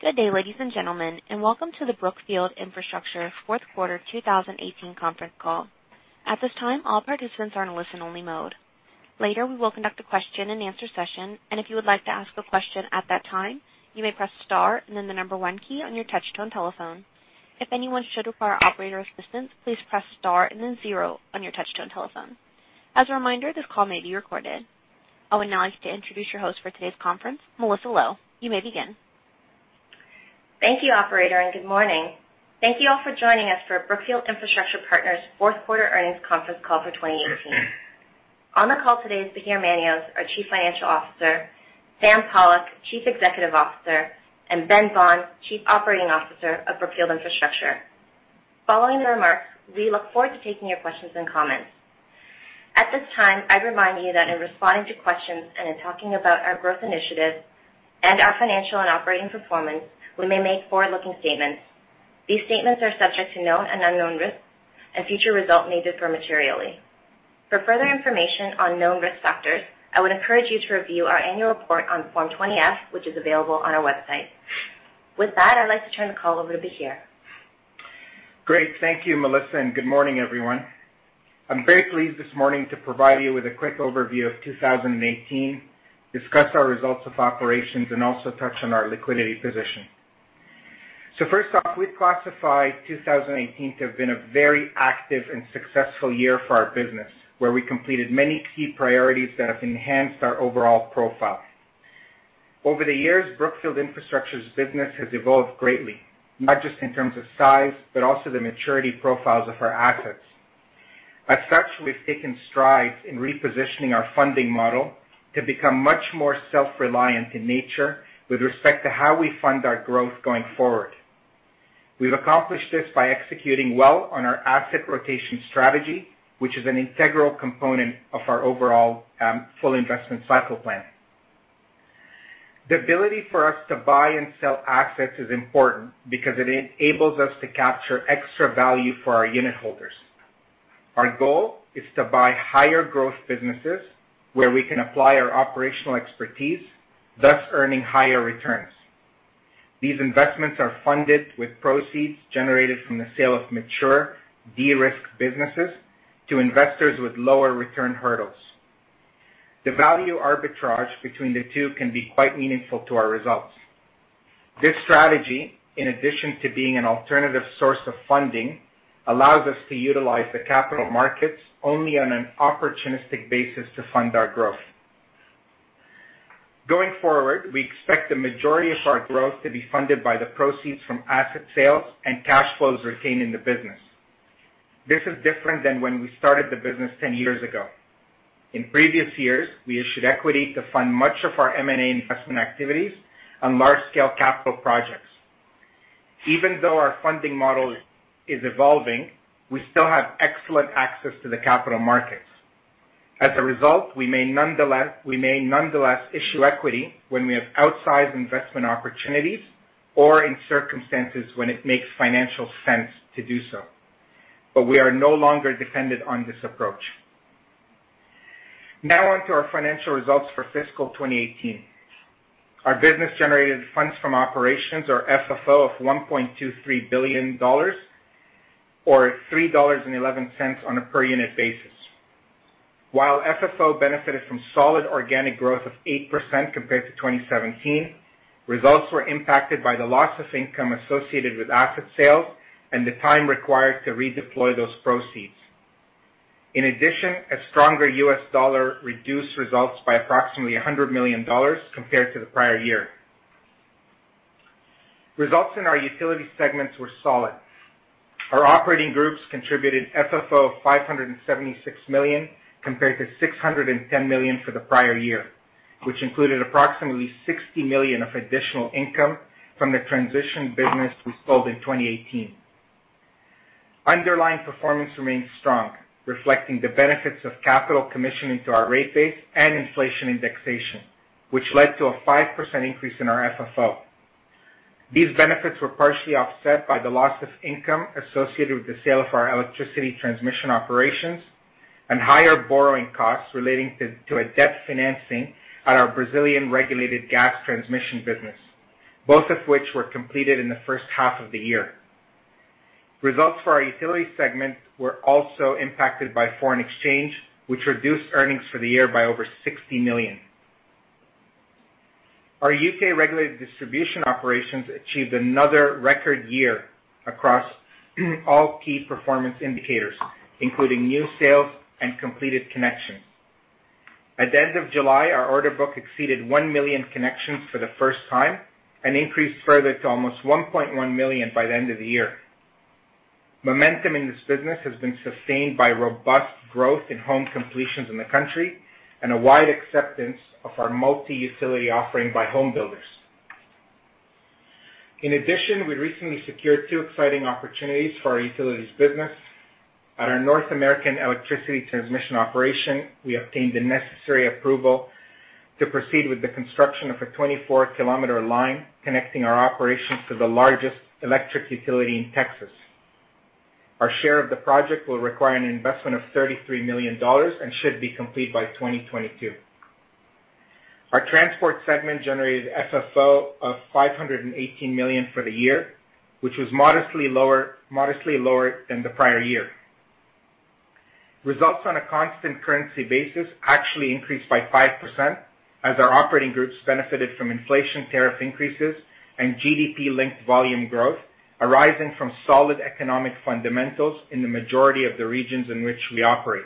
Good day, ladies and gentlemen, and welcome to the Brookfield Infrastructure fourth quarter 2018 conference call. At this time, all participants are in listen only mode. Later, we will conduct a question and answer session, and if you would like to ask a question at that time, you may press star and then the number one key on your touch-tone telephone. If anyone should require operator assistance, please press Star and then zero on your touch-tone telephone. As a reminder, this call may be recorded. I would now like to introduce your host for today's conference, Melissa Low. You may begin. Thank you operator, and good morning. Thank you all for joining us for Brookfield Infrastructure Partners' fourth quarter earnings conference call for 2018. On the call today is Bahir Manios, our Chief Financial Officer, Sam Pollock, Chief Executive Officer, and Ben Vaughan, Chief Operating Officer of Brookfield Infrastructure. Following the remarks, we look forward to taking your questions and comments. At this time, I'd remind you that in responding to questions and in talking about our growth initiatives and our financial and operating performance, we may make forward-looking statements. These statements are subject to known and unknown risks, and future results may differ materially. For further information on known risk factors, I would encourage you to review our annual report on Form 20-F, which is available on our website. With that, I'd like to turn the call over to Bahir. Great. Thank you, Melissa, and good morning, everyone. I'm very pleased this morning to provide you with a quick overview of 2018, discuss our results of operations, and also touch on our liquidity position. First off, we'd classify 2018 to have been a very active and successful year for our business, where we completed many key priorities that have enhanced our overall profile. Over the years, Brookfield Infrastructure's business has evolved greatly, not just in terms of size, but also the maturity profiles of our assets. As such, we've taken strides in repositioning our funding model to become much more self-reliant in nature with respect to how we fund our growth going forward. We've accomplished this by executing well on our asset rotation strategy, which is an integral component of our overall full investment cycle plan. The ability for us to buy and sell assets is important because it enables us to capture extra value for our unitholders. Our goal is to buy higher growth businesses where we can apply our operational expertise, thus earning higher returns. These investments are funded with proceeds generated from the sale of mature, de-risked businesses to investors with lower return hurdles. The value arbitrage between the two can be quite meaningful to our results. This strategy, in addition to being an alternative source of funding, allows us to utilize the capital markets only on an opportunistic basis to fund our growth. Going forward, we expect the majority of our growth to be funded by the proceeds from asset sales and cash flows retained in the business. This is different than when we started the business ten years ago. In previous years, we issued equity to fund much of our M&A investment activities on large-scale capital projects. Even though our funding model is evolving, we still have excellent access to the capital markets. As a result, we may nonetheless issue equity when we have outsized investment opportunities or in circumstances when it makes financial sense to do so. We are no longer dependent on this approach. Now onto our financial results for fiscal 2018. Our business generated funds from operations or FFO of $1.23 billion or $3.11 on a per unit basis. While FFO benefited from solid organic growth of 8% compared to 2017, results were impacted by the loss of income associated with asset sales and the time required to redeploy those proceeds. In addition, a stronger US dollar reduced results by approximately $100 million compared to the prior year. Results in our utility segments were solid. Our operating groups contributed FFO of $576 million compared to $610 million for the prior year, which included approximately $60 million of additional income from the transition business we sold in 2018. Underlying performance remains strong, reflecting the benefits of capital commissioning to our rate base and inflation indexation, which led to a 5% increase in our FFO. These benefits were partially offset by the loss of income associated with the sale of our electricity transmission operations and higher borrowing costs relating to a debt financing at our Brazilian regulated gas transmission business, both of which were completed in the first half of the year. Results for our utility segment were also impacted by foreign exchange, which reduced earnings for the year by over $60 million. Our U.K. regulated distribution operations achieved another record year across all key performance indicators, including new sales and completed connections. At the end of July, our order book exceeded 1 million connections for the first time and increased further to almost 1.1 million by the end of the year. Momentum in this business has been sustained by robust growth in home completions in the country and a wide acceptance of our multi-utility offering by home builders. In addition, we recently secured two exciting opportunities for our utilities business. At our North American electricity transmission operation, we obtained the necessary approval to proceed with the construction of a 24-kilometer line connecting our operations to the largest electric utility in Texas. Our share of the project will require an investment of $33 million and should be complete by 2022. Our transport segment generated FFO of $518 million for the year, which was modestly lower than the prior year. Results on a constant currency basis actually increased by 5%, as our operating groups benefited from inflation tariff increases and GDP-linked volume growth arising from solid economic fundamentals in the majority of the regions in which we operate.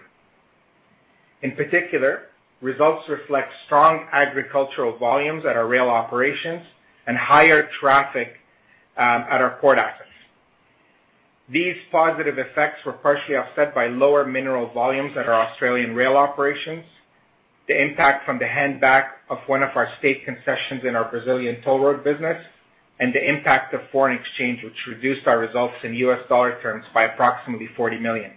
In particular, results reflect strong agricultural volumes at our rail operations and higher traffic at our port assets. These positive effects were partially offset by lower mineral volumes at our Australian rail operations, the impact from the hand-back of one of our state concessions in our Brazilian toll road business, and the impact of foreign exchange, which reduced our results in US dollar terms by approximately $140 million.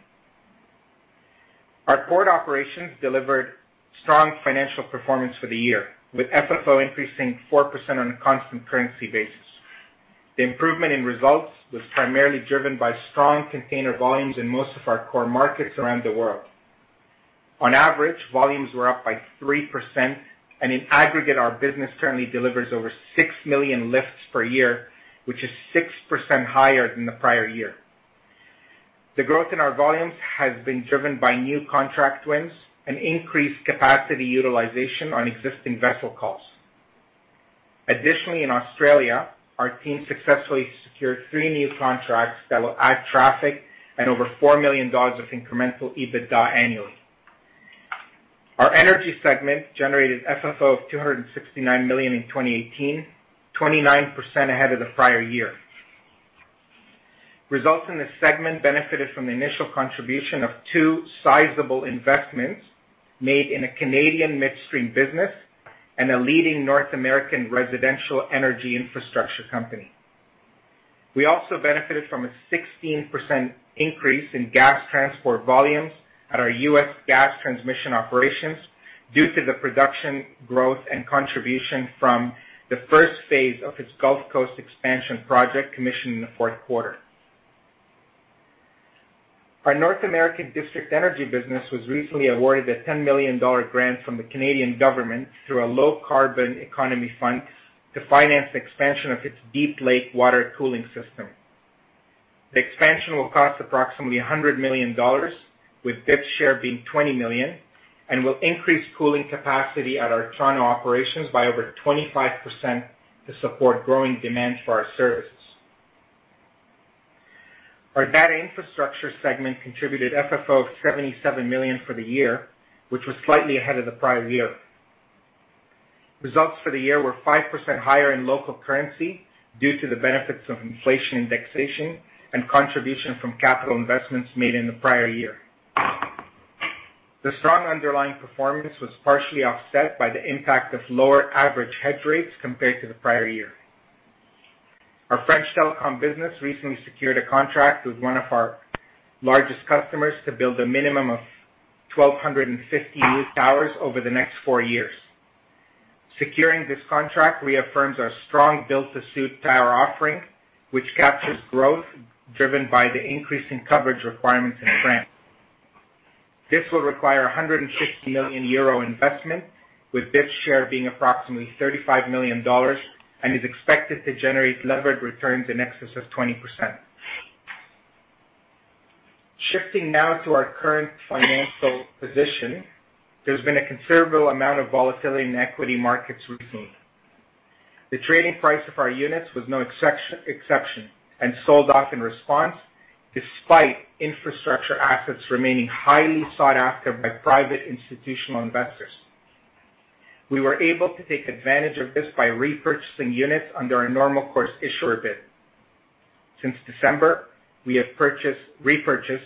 Our port operations delivered strong financial performance for the year, with FFO increasing 4% on a constant currency basis. The improvement in results was primarily driven by strong container volumes in most of our core markets around the world. On average, volumes were up by 3%, and in aggregate, our business currently delivers over 6 million lifts per year, which is 6% higher than the prior year. The growth in our volumes has been driven by new contract wins and increased capacity utilization on existing vessel calls. Additionally, in Australia, our team successfully secured 3 new contracts that will add traffic and over $4 million of incremental EBITDA annually. Our energy segment generated FFO of $269 million in 2018, 29% ahead of the prior year. Results in this segment benefited from the initial contribution of 2 sizable investments made in a Canadian midstream business and a leading North American residential energy infrastructure company. We also benefited from a 16% increase in gas transport volumes at our U.S. gas transmission operations due to the production growth and contribution from the first phase of its Gulf Coast expansion project commissioned in the Q4. Our North American district energy business was recently awarded a $10 million grant from the Canadian government through a Low Carbon Economy Fund to finance the expansion of its Deep Lake Water Cooling system. The expansion will cost approximately $100 million, with BIP's share being $20 million, and will increase cooling capacity at our Toronto operations by over 25% to support growing demand for our services. Our data infrastructure segment contributed FFO of $77 million for the year, which was slightly ahead of the prior year. Results for the year were 5% higher in local currency due to the benefits of inflation indexation and contribution from capital investments made in the prior year. The strong underlying performance was partially offset by the impact of lower average hedge rates compared to the prior year. Our French telecom business recently secured a contract with one of our largest customers to build a minimum of 1,250 new towers over the next four years. Securing this contract reaffirms our strong build-to-suit tower offering, which captures growth driven by the increasing coverage requirements in France. This will require a €160 million investment, with BIP's share being approximately $35 million and is expected to generate levered returns in excess of 20%. Shifting now to our current financial position, there's been a considerable amount of volatility in equity markets recently. The trading price of our units was no exception and sold off in response, despite infrastructure assets remaining highly sought after by private institutional investors. We were able to take advantage of this by repurchasing units under our Normal Course Issuer Bid. Since December, we have repurchased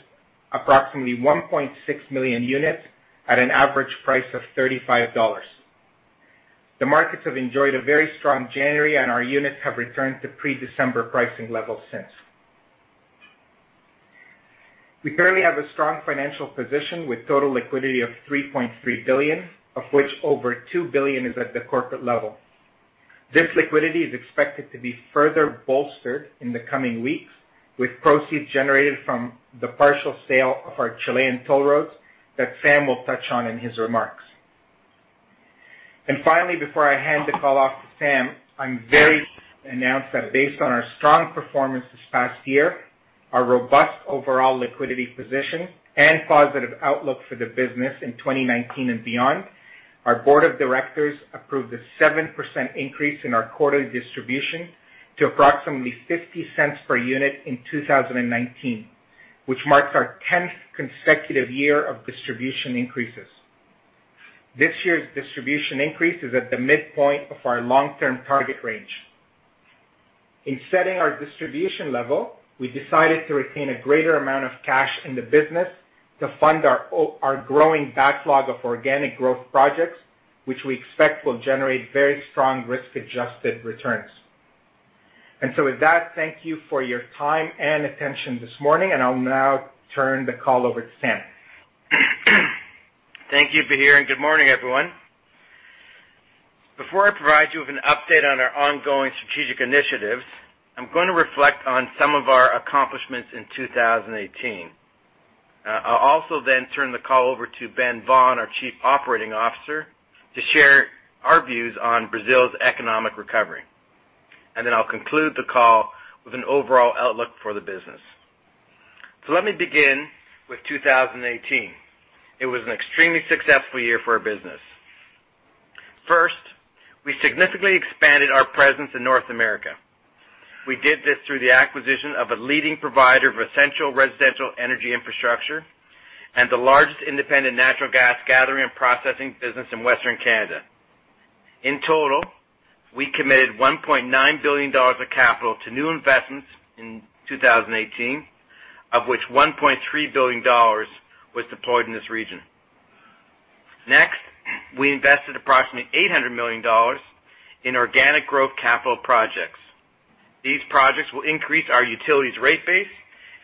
approximately 1.6 million units at an average price of $35. The markets have enjoyed a very strong January, our units have returned to pre-December pricing levels since. We currently have a strong financial position with total liquidity of $3.3 billion, of which over $2 billion is at the corporate level. This liquidity is expected to be further bolstered in the coming weeks with proceeds generated from the partial sale of our Chilean toll roads that Sam will touch on in his remarks. Before I hand the call off to Sam, I'm very pleased to announce that based on our strong performance this past year, our robust overall liquidity position, and positive outlook for the business in 2019 and beyond, our board of directors approved a 7% increase in our quarterly distribution to approximately $0.50 per unit in 2019, which marks our tenth consecutive year of distribution increases. This year's distribution increase is at the midpoint of our long-term target range. In setting our distribution level, we decided to retain a greater amount of cash in the business to fund our growing backlog of organic growth projects, which we expect will generate very strong risk-adjusted returns. With that, thank you for your time and attention this morning, and I'll now turn the call over to Sam. Thank you, Bahir, and good morning, everyone. Before I provide you with an update on our ongoing strategic initiatives, I'm going to reflect on some of our accomplishments in 2018. I'll also then turn the call over to Ben Vaughan, our Chief Operating Officer, to share our views on Brazil's economic recovery. Then I'll conclude the call with an overall outlook for the business. Let me begin with 2018. It was an extremely successful year for our business. First, we significantly expanded our presence in North America. We did this through the acquisition of a leading provider of essential residential energy infrastructure and the largest independent natural gas gathering and processing business in Western Canada. In total, we committed $1.9 billion of capital to new investments in 2018, of which $1.3 billion was deployed in this region. Next, we invested approximately $800 million in organic growth capital projects. These projects will increase our utilities rate base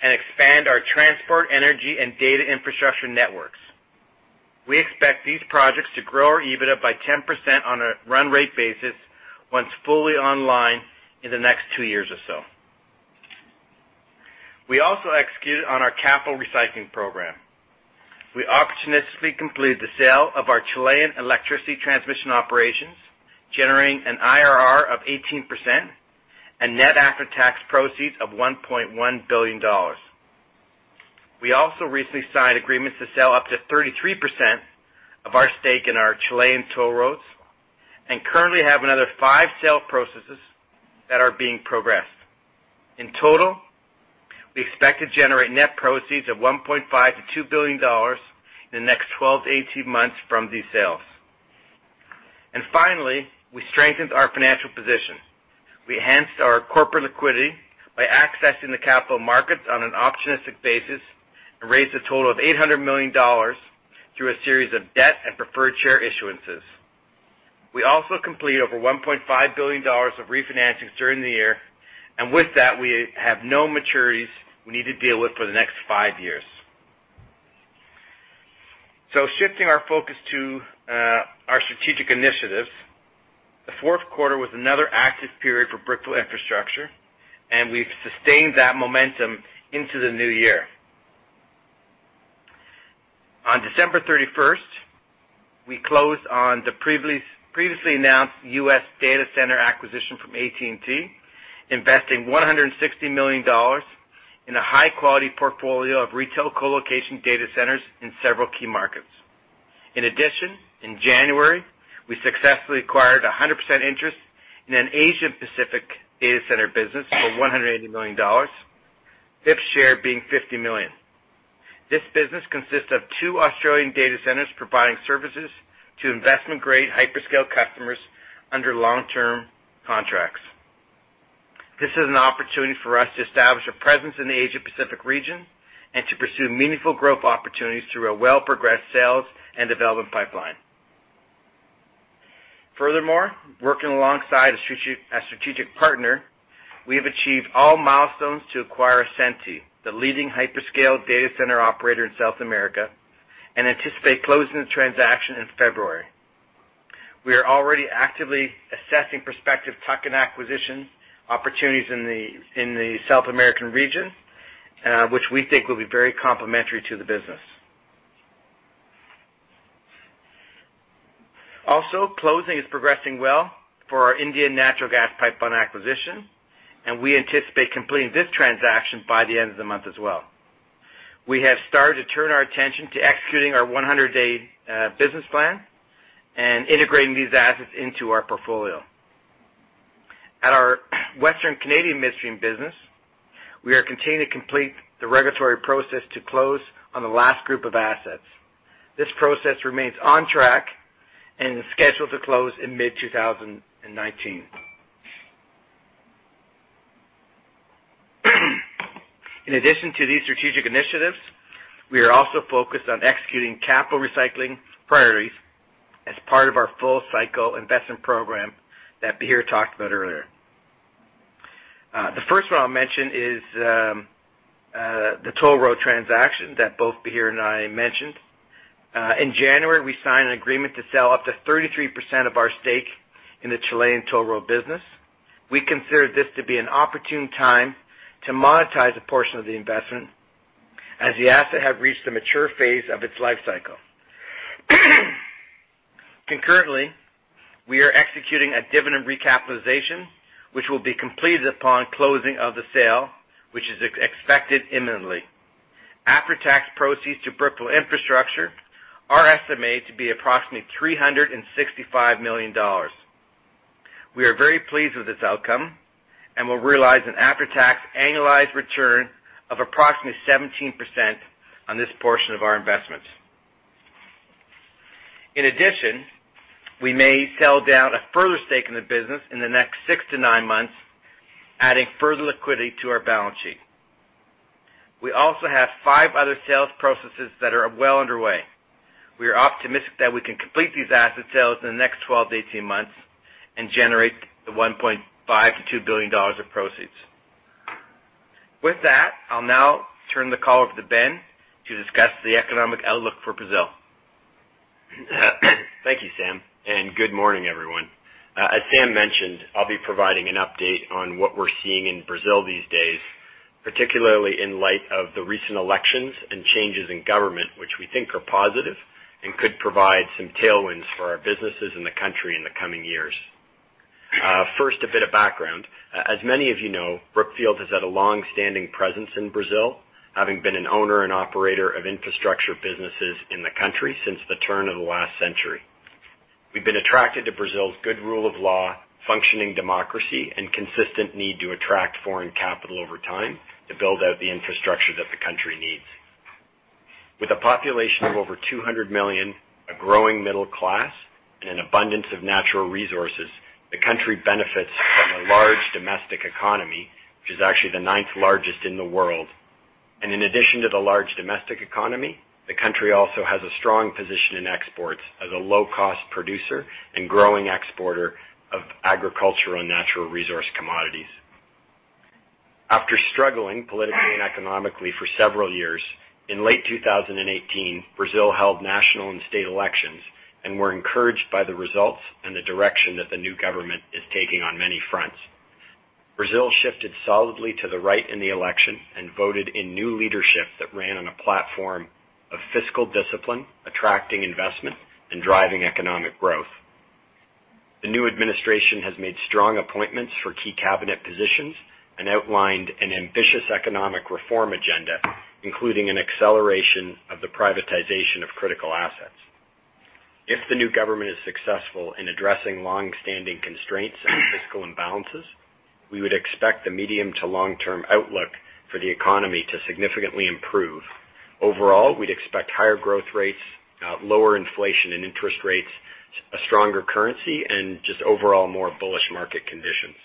and expand our transport, energy, and data infrastructure networks. We expect these projects to grow our EBITDA by 10% on a run rate basis once fully online in the next two years or so. We also executed on our capital recycling program. We opportunistically completed the sale of our Chilean electricity transmission operations, generating an IRR of 18% and net after-tax proceeds of $1.1 billion. We also recently signed agreements to sell up to 33% of our stake in our Chilean toll roads and currently have another five sale processes that are being progressed. In total, we expect to generate net proceeds of $1.5 billion-$2 billion in the next 12-18 months from these sales. Finally, we strengthened our financial position. We enhanced our corporate liquidity by accessing the capital markets on an opportunistic basis and raised a total of $800 million through a series of debt and preferred share issuances. We also completed over $1.5 billion of refinancings during the year, and with that, we have no maturities we need to deal with for the next five years. Shifting our focus to our strategic initiatives, the fourth quarter was another active period for Brookfield Infrastructure, and we've sustained that momentum into the new year. On December 31st, we closed on the previously announced U.S. data center acquisition from AT&T, investing $160 million in a high-quality portfolio of retail colocation data centers in several key markets. In addition, in January, we successfully acquired 100% interest in an Asian Pacific data center business for $180 million, BIP's share being $50 million. This business consists of two Australian data centers providing services to investment-grade hyperscale customers under long-term contracts. This is an opportunity for us to establish a presence in the Asia-Pacific region and to pursue meaningful growth opportunities through a well-progressed sales and development pipeline. Furthermore, working alongside a strategic partner, we have achieved all milestones to acquire Ascenty, the leading hyperscale data center operator in South America, and anticipate closing the transaction in February. We are already actively assessing prospective tuck-in acquisition opportunities in the South American region, which we think will be very complementary to the business. Also, closing is progressing well for our Indian natural gas pipeline acquisition, and we anticipate completing this transaction by the end of the month as well. We have started to turn our attention to executing our 100-day business plan and integrating these assets into our portfolio. At our Western Canadian midstream business, we are continuing to complete the regulatory process to close on the last group of assets. This process remains on track and is scheduled to close in mid-2019. In addition to these strategic initiatives, we are also focused on executing capital recycling priorities as part of our full-cycle investment program that Bahir talked about earlier. The first one I'll mention is the toll road transaction that both Bahir and I mentioned. In January, we signed an agreement to sell up to 33% of our stake in the Chilean toll road business. We consider this to be an opportune time to monetize a portion of the investment as the asset had reached the mature phase of its life cycle. Concurrently, we are executing a dividend recapitalization, which will be completed upon closing of the sale, which is expected imminently. After-tax proceeds to Brookfield Infrastructure are estimated to be approximately $365 million. We are very pleased with this outcome and will realize an after-tax annualized return of approximately 17% on this portion of our investments. In addition, we may sell down a further stake in the business in the next six to nine months, adding further liquidity to our balance sheet. We also have five other sales processes that are well underway. We are optimistic that we can complete these asset sales in the next 12 to 18 months and generate the $1.5 billion-$2 billion of proceeds. I'll now turn the call over to Ben to discuss the economic outlook for Brazil. Thank you, Sam, and good morning, everyone. As Sam mentioned, I'll be providing an update on what we're seeing in Brazil these days, particularly in light of the recent elections and changes in government, which we think are positive and could provide some tailwinds for our businesses in the country in the coming years. First, a bit of background. As many of you know, Brookfield has had a long-standing presence in Brazil, having been an owner and operator of infrastructure businesses in the country since the turn of the last century. We've been attracted to Brazil's good rule of law, functioning democracy, and consistent need to attract foreign capital over time to build out the infrastructure that the country needs. With a population of over 200 million, a growing middle class, and an abundance of natural resources, the country benefits from a large domestic economy, which is actually the ninth largest in the world. In addition to the large domestic economy, the country also has a strong position in exports as a low-cost producer and growing exporter of agricultural and natural resource commodities. After struggling politically and economically for several years, in late 2018, Brazil held national and state elections and we are encouraged by the results and the direction that the new government is taking on many fronts. Brazil shifted solidly to the right in the election and voted in new leadership that ran on a platform of fiscal discipline, attracting investment, and driving economic growth. The new administration has made strong appointments for key cabinet positions and outlined an ambitious economic reform agenda, including an acceleration of the privatization of critical assets. If the new government is successful in addressing long-standing constraints and fiscal imbalances, we would expect the medium to long-term outlook for the economy to significantly improve. Overall, we would expect higher growth rates, lower inflation and interest rates, a stronger currency, and just overall more bullish market conditions.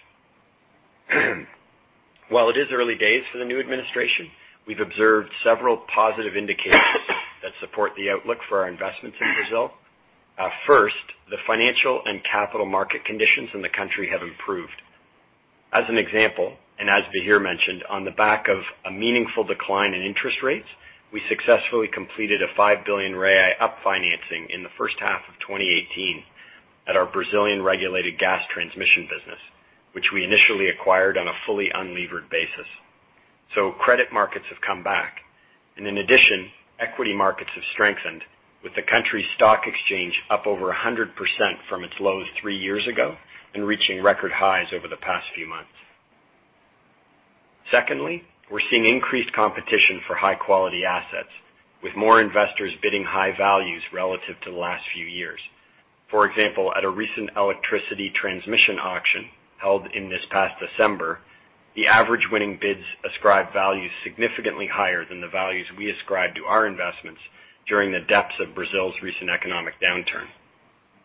While it is early days for the new administration, we have observed several positive indicators that support the outlook for our investments in Brazil. First, the financial and capital market conditions in the country have improved. As an example, and as Bahir mentioned, on the back of a meaningful decline in interest rates, we successfully completed a 5 billion up-financing in the first half of 2018 at our Brazilian regulated gas transmission business, which we initially acquired on a fully unlevered basis. Credit markets have come back. In addition, equity markets have strengthened, with the country's stock exchange up over 100% from its lows three years ago and reaching record highs over the past few months. Secondly, we are seeing increased competition for high-quality assets, with more investors bidding high values relative to the last few years. For example, at a recent electricity transmission auction held in this past December, the average winning bids ascribed values significantly higher than the values we ascribed to our investments during the depths of Brazil's recent economic downturn.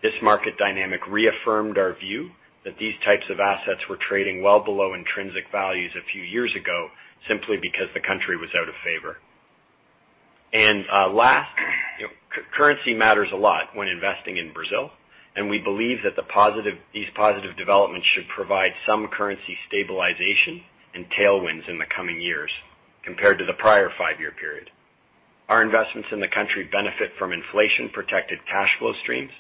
This market dynamic reaffirmed our view that these types of assets were trading well below intrinsic values a few years ago, simply because the country was out of favor. Last, currency matters a lot when investing in Brazil, and we believe that these positive developments should provide some currency stabilization and tailwinds in the coming years compared to the prior five-year period. Our investments in the country benefit from inflation-protected cash flow streams,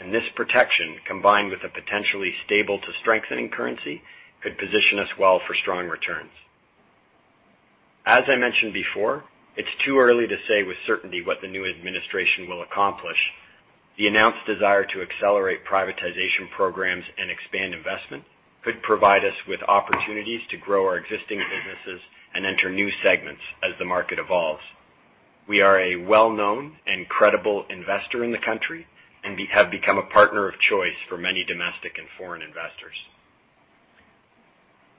and this protection, combined with a potentially stable to strengthening currency, could position us well for strong returns. As I mentioned before, it is too early to say with certainty what the new administration will accomplish. The announced desire to accelerate privatization programs and expand investment could provide us with opportunities to grow our existing businesses and enter new segments as the market evolves. We are a well-known and credible investor in the country, having become a partner of choice for many domestic and foreign investors.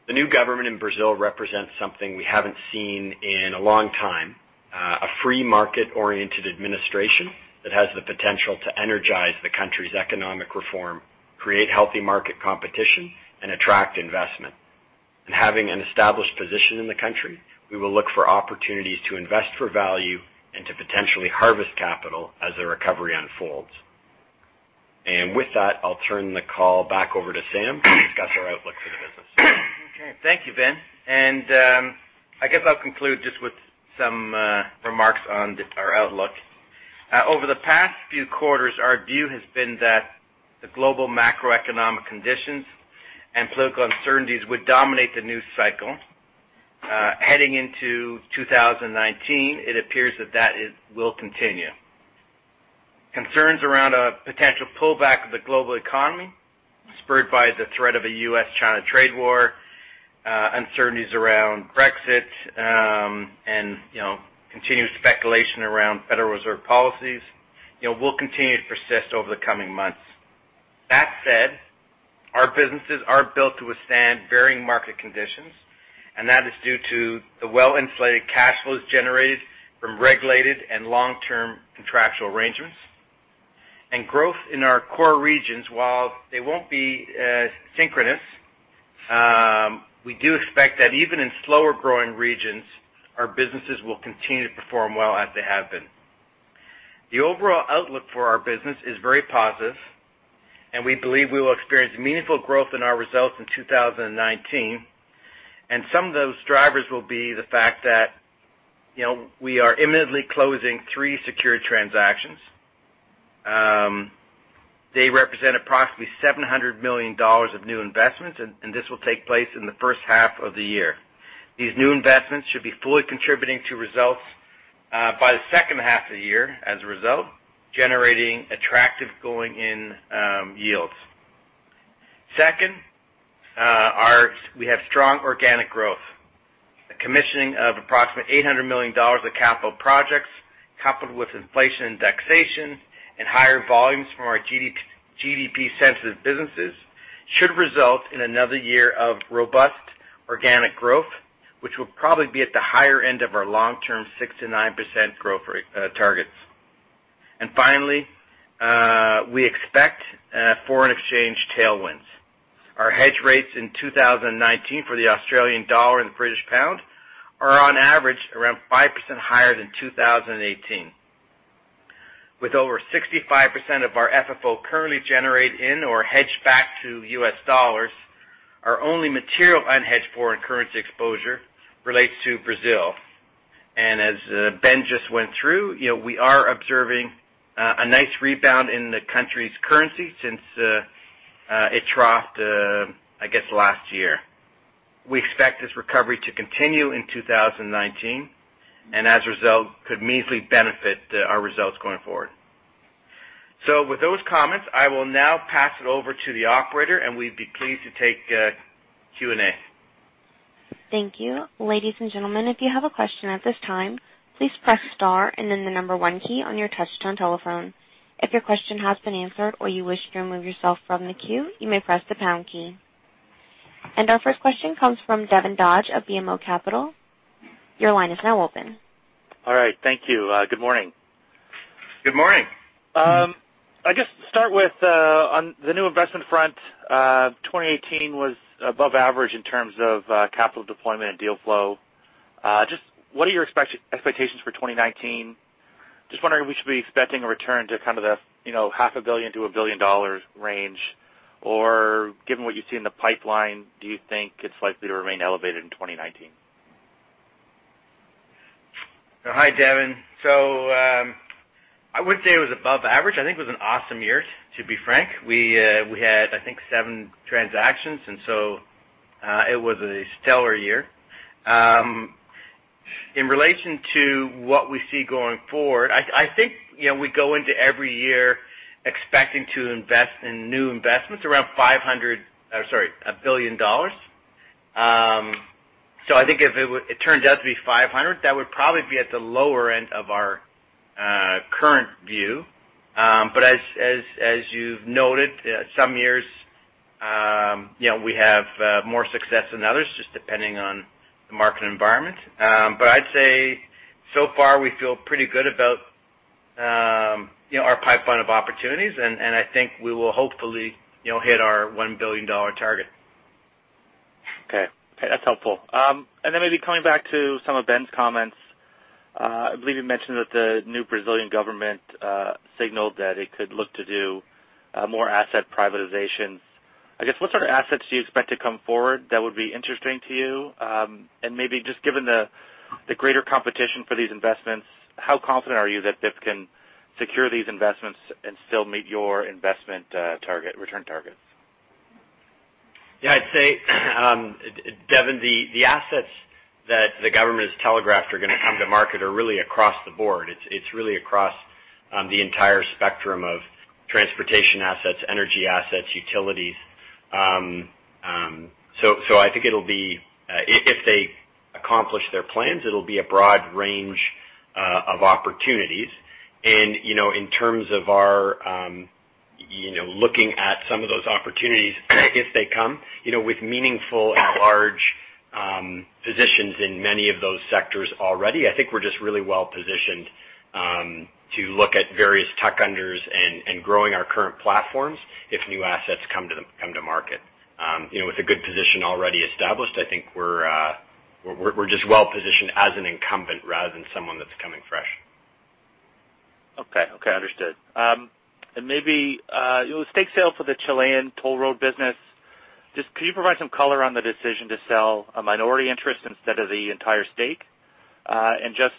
The new government in Brazil represents something we haven't seen in a long time. A free market-oriented administration that has the potential to energize the country's economic reform, create healthy market competition, and attract investment. Having an established position in the country, we will look for opportunities to invest for value and to potentially harvest capital as the recovery unfolds. With that, I'll turn the call back over to Sam to discuss our outlook for the business. Okay. Thank you, Ben. I guess I'll conclude just with some remarks on our outlook. Over the past few quarters, our view has been that the global macroeconomic conditions and political uncertainties would dominate the news cycle. Heading into 2019, it appears that that will continue. Concerns around a potential pullback of the global economy, spurred by the threat of a U.S.-China trade war, uncertainties around Brexit, and continued speculation around Federal Reserve policies, will continue to persist over the coming months. That said, our businesses are built to withstand varying market conditions, that is due to the well-insulated cash flows generated from regulated and long-term contractual arrangements. Growth in our core regions, while they won't be synchronous, we do expect that even in slower-growing regions, our businesses will continue to perform well as they have been. The overall outlook for our business is very positive, we believe we will experience meaningful growth in our results in 2019. Some of those drivers will be the fact that we are imminently closing three secured transactions. They represent approximately $700 million of new investments, this will take place in the first half of the year. These new investments should be fully contributing to results by the second half of the year, as a result, generating attractive going-in yields. Second, we have strong organic growth. The commissioning of approximately $800 million of capital projects, coupled with inflation indexation and higher volumes from our GDP-sensitive businesses, should result in another year of robust organic growth, which will probably be at the higher end of our long-term 6%-9% growth targets. Finally, we expect foreign exchange tailwinds. Our hedge rates in 2019 for the Australian dollar and the British pound are on average around 5% higher than 2018. With over 65% of our FFO currently generated in or hedged back to U.S. dollars, our only material unhedged foreign currency exposure relates to Brazil. As Ben just went through, we are observing a nice rebound in the country's currency since it troughed, I guess, last year. We expect this recovery to continue in 2019, as a result, could meaningfully benefit our results going forward. With those comments, I will now pass it over to the operator, and we’d be pleased to take Q&A. Thank you. Ladies and gentlemen, if you have a question at this time, please press star and then the number one key on your touch-tone telephone. If your question has been answered or you wish to remove yourself from the queue, you may press the pound key. Our first question comes from Devin Dodge of BMO Capital. Your line is now open. All right. Thank you. Good morning. Good morning. I guess to start with, on the new investment front, 2018 was above average in terms of capital deployment and deal flow. What are your expectations for 2019? Wondering if we should be expecting a return to kind of the half a billion to a billion dollar range, or given what you see in the pipeline, do you think it's likely to remain elevated in 2019? Hi, Devin. I wouldn't say it was above average. I think it was an awesome year, to be frank. We had, I think, seven transactions. It was a stellar year. In relation to what we see going forward, I think we go into every year expecting to invest in new investments around $1 billion. I think if it turns out to be $500 million, that would probably be at the lower end of our current view. As you've noted, some years we have more success than others, just depending on the market environment. I'd say so far we feel pretty good about our pipeline of opportunities, and I think we will hopefully hit our $1 billion target. Okay. That's helpful. Maybe coming back to some of Ben's comments. I believe you mentioned that the new Brazilian government signaled that it could look to do more asset privatizations. What sort of assets do you expect to come forward that would be interesting to you? Maybe just given the greater competition for these investments, how confident are you that BIP can secure these investments and still meet your investment return targets? Yeah, I'd say, Devin, the assets that the government has telegraphed are going to come to market are really across the board. It's really across the entire spectrum of transportation assets, energy assets, utilities. I think if they accomplish their plans, it'll be a broad range of opportunities. In terms of our looking at some of those opportunities, if they come, with meaningful and large positions in many of those sectors already, I think we're just really well-positioned to look at various tuck-unders and growing our current platforms if new assets come to market. With a good position already established, I think we're just well-positioned as an incumbent rather than someone that's coming fresh. Okay. Understood. Maybe, the stake sale for the Chilean toll road business, could you provide some color on the decision to sell a minority interest instead of the entire stake? Just,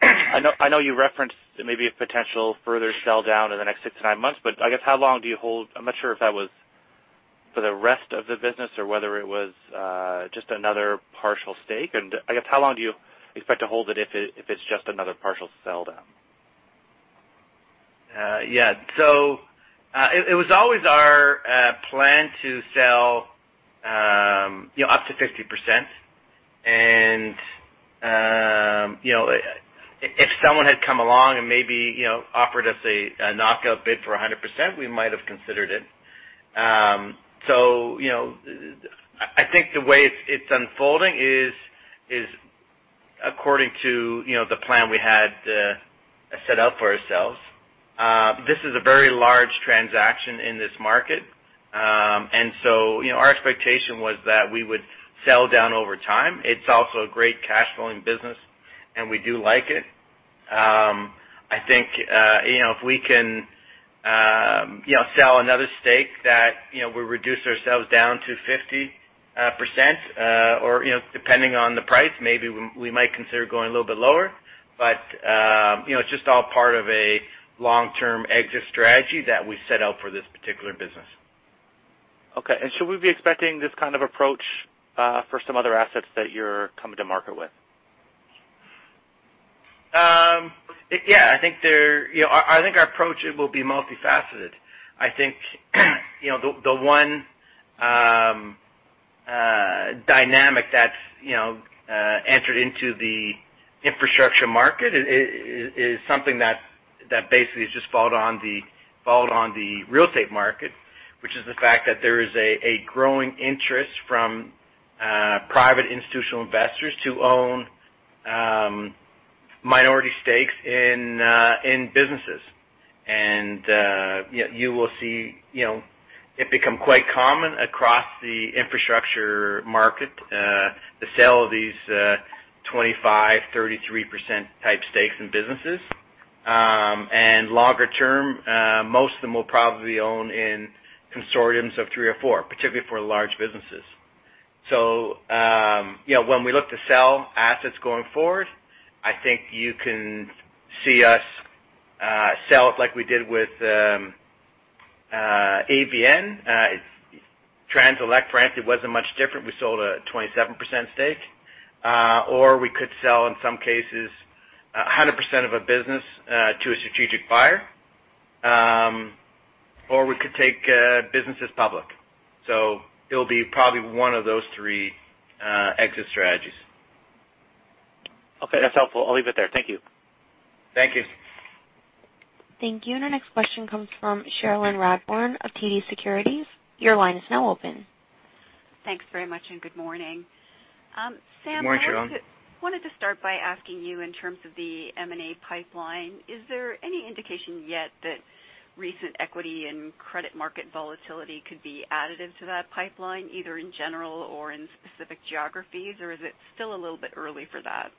I know you referenced maybe a potential further sell-down in the next 6 to 9 months, but I guess how long do you hold? I am not sure if that was for the rest of the business or whether it was just another partial stake, and I guess how long do you expect to hold it if it is just another partial sell-down? Yeah. It was always our plan to sell up to 50%. If someone had come along and maybe offered us a knockout bid for 100%, we might have considered it. I think the way it's unfolding is according to the plan we had set out for ourselves. This is a very large transaction in this market. Our expectation was that we would sell down over time. It's also a great cash flowing business, and we do like it. I think, if we can sell another stake that we reduce ourselves down to 50% or depending on the price, maybe we might consider going a little bit lower. It's just all part of a long-term exit strategy that we set out for this particular business. Okay. Should we be expecting this kind of approach for some other assets that you're coming to market with? Yeah, I think our approach, it will be multifaceted. I think, the one dynamic that entered into the infrastructure market is something that basically has just followed on the real estate market, which is the fact that there is a growing interest from private institutional investors to own minority stakes in businesses. You will see it become quite common across the infrastructure market to sell these 25%, 33% type stakes in businesses. Longer term, most of them will probably own in consortiums of three or four, particularly for large businesses. When we look to sell assets going forward, I think you can see us sell it like we did with AVN. Trans-Elect, frankly, wasn't much different. We sold a 27% stake. We could sell, in some cases, 100% of a business to a strategic buyer, or we could take businesses public. It'll be probably one of those three exit strategies. Okay, that's helpful. I'll leave it there. Thank you. Thank you. Thank you. Our next question comes from Cherilyn Radbourne of TD Securities. Your line is now open. Thanks very much, good morning. Good morning, Cherilyn. Sam, I wanted to start by asking you in terms of the M&A pipeline, is there any indication yet that recent equity and credit market volatility could be additive to that pipeline, either in general or in specific geographies, or is it still a little bit early for that?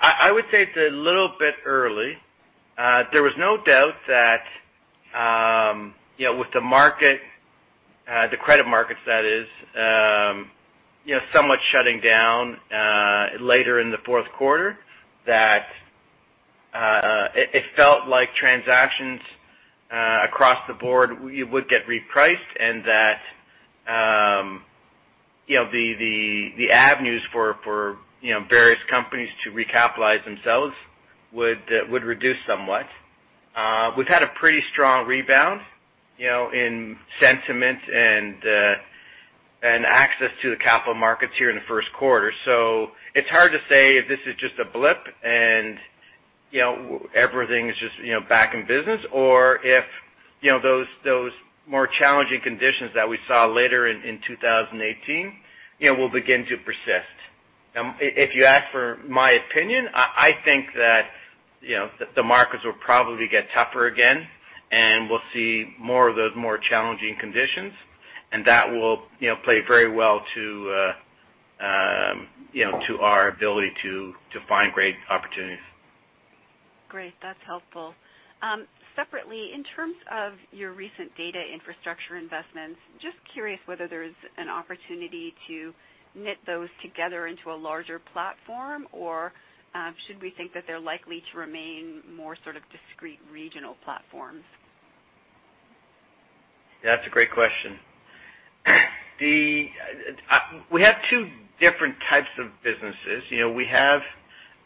I would say it's a little bit early. There was no doubt that with the market, the credit markets that is, somewhat shutting down later in the fourth quarter, that it felt like transactions across the board would get repriced and that the avenues for various companies to recapitalize themselves would reduce somewhat. We've had a pretty strong rebound in sentiment and access to the capital markets here in the first quarter. It's hard to say if this is just a blip and everything is just back in business or if those more challenging conditions that we saw later in 2018 will begin to persist. If you ask for my opinion, I think that the markets will probably get tougher again, and we'll see more of those more challenging conditions, and that will play very well to our ability to find great opportunities. Great. That's helpful. Separately, in terms of your recent data infrastructure investments, just curious whether there is an opportunity to knit those together into a larger platform, or should we think that they are likely to remain more sort of discrete regional platforms? That's a great question. We have two different types of businesses. We have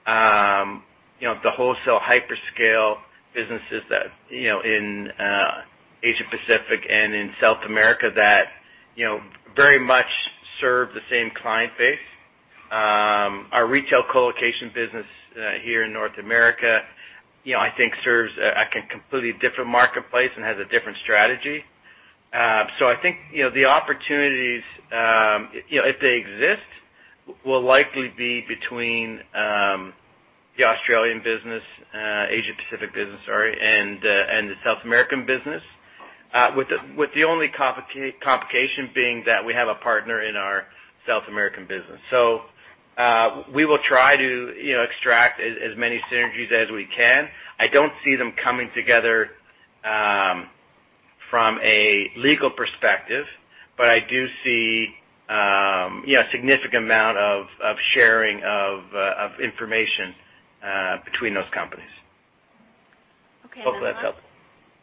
the wholesale hyperscale businesses in Asia Pacific and in South America that very much serve the same client base. Our retail colocation business here in North America, I think serves a completely different marketplace and has a different strategy. I think, the opportunities, if they exist, will likely be between the Asia Pacific business, sorry, and the South American business. With the only complication being that we have a partner in our South American business. We will try to extract as many synergies as we can. I do not see them coming together from a legal perspective, but I do see a significant amount of sharing of information between those companies. Okay. Hope that helps.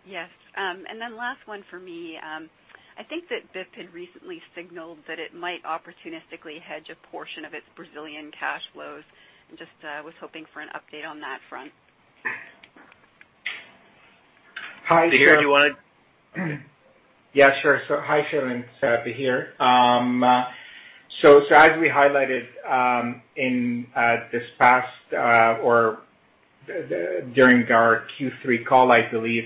Yes. Last one for me. I think that BIP had recently signaled that it might opportunistically hedge a portion of its Brazilian cash flows, and just was hoping for an update on that front. Bahir, do you want to- Yeah, sure. Hi, Cherilyn. It's Bahir. As we highlighted during our Q3 call, I believe.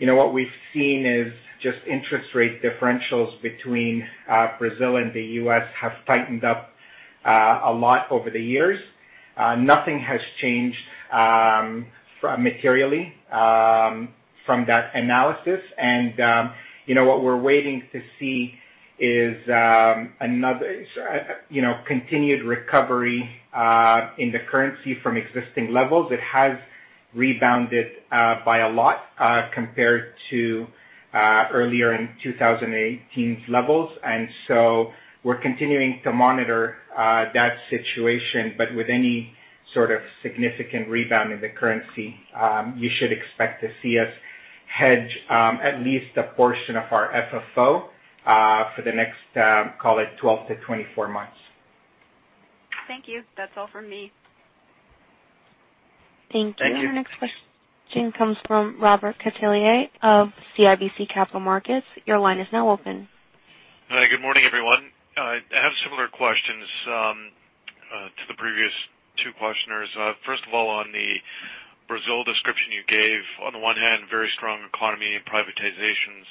What we've seen is just interest rate differentials between Brazil and the U.S. have tightened up a lot over the years. Nothing has changed materially from that analysis. What we're waiting to see is continued recovery in the currency from existing levels. It has rebounded by a lot compared to earlier in 2018's levels. We're continuing to monitor that situation, but with any sort of significant rebound in the currency, you should expect to see us hedge at least a portion of our FFO for the next, call it 12-24 months. Thank you. That's all from me. Thank you. Thank you. Our next question comes from Robert Catellier of CIBC Capital Markets. Your line is now open. Hi. Good morning, everyone. I have similar questions to the previous two questioners. First of all, on the Brazil description you gave, on the one hand, very strong economy and privatizations,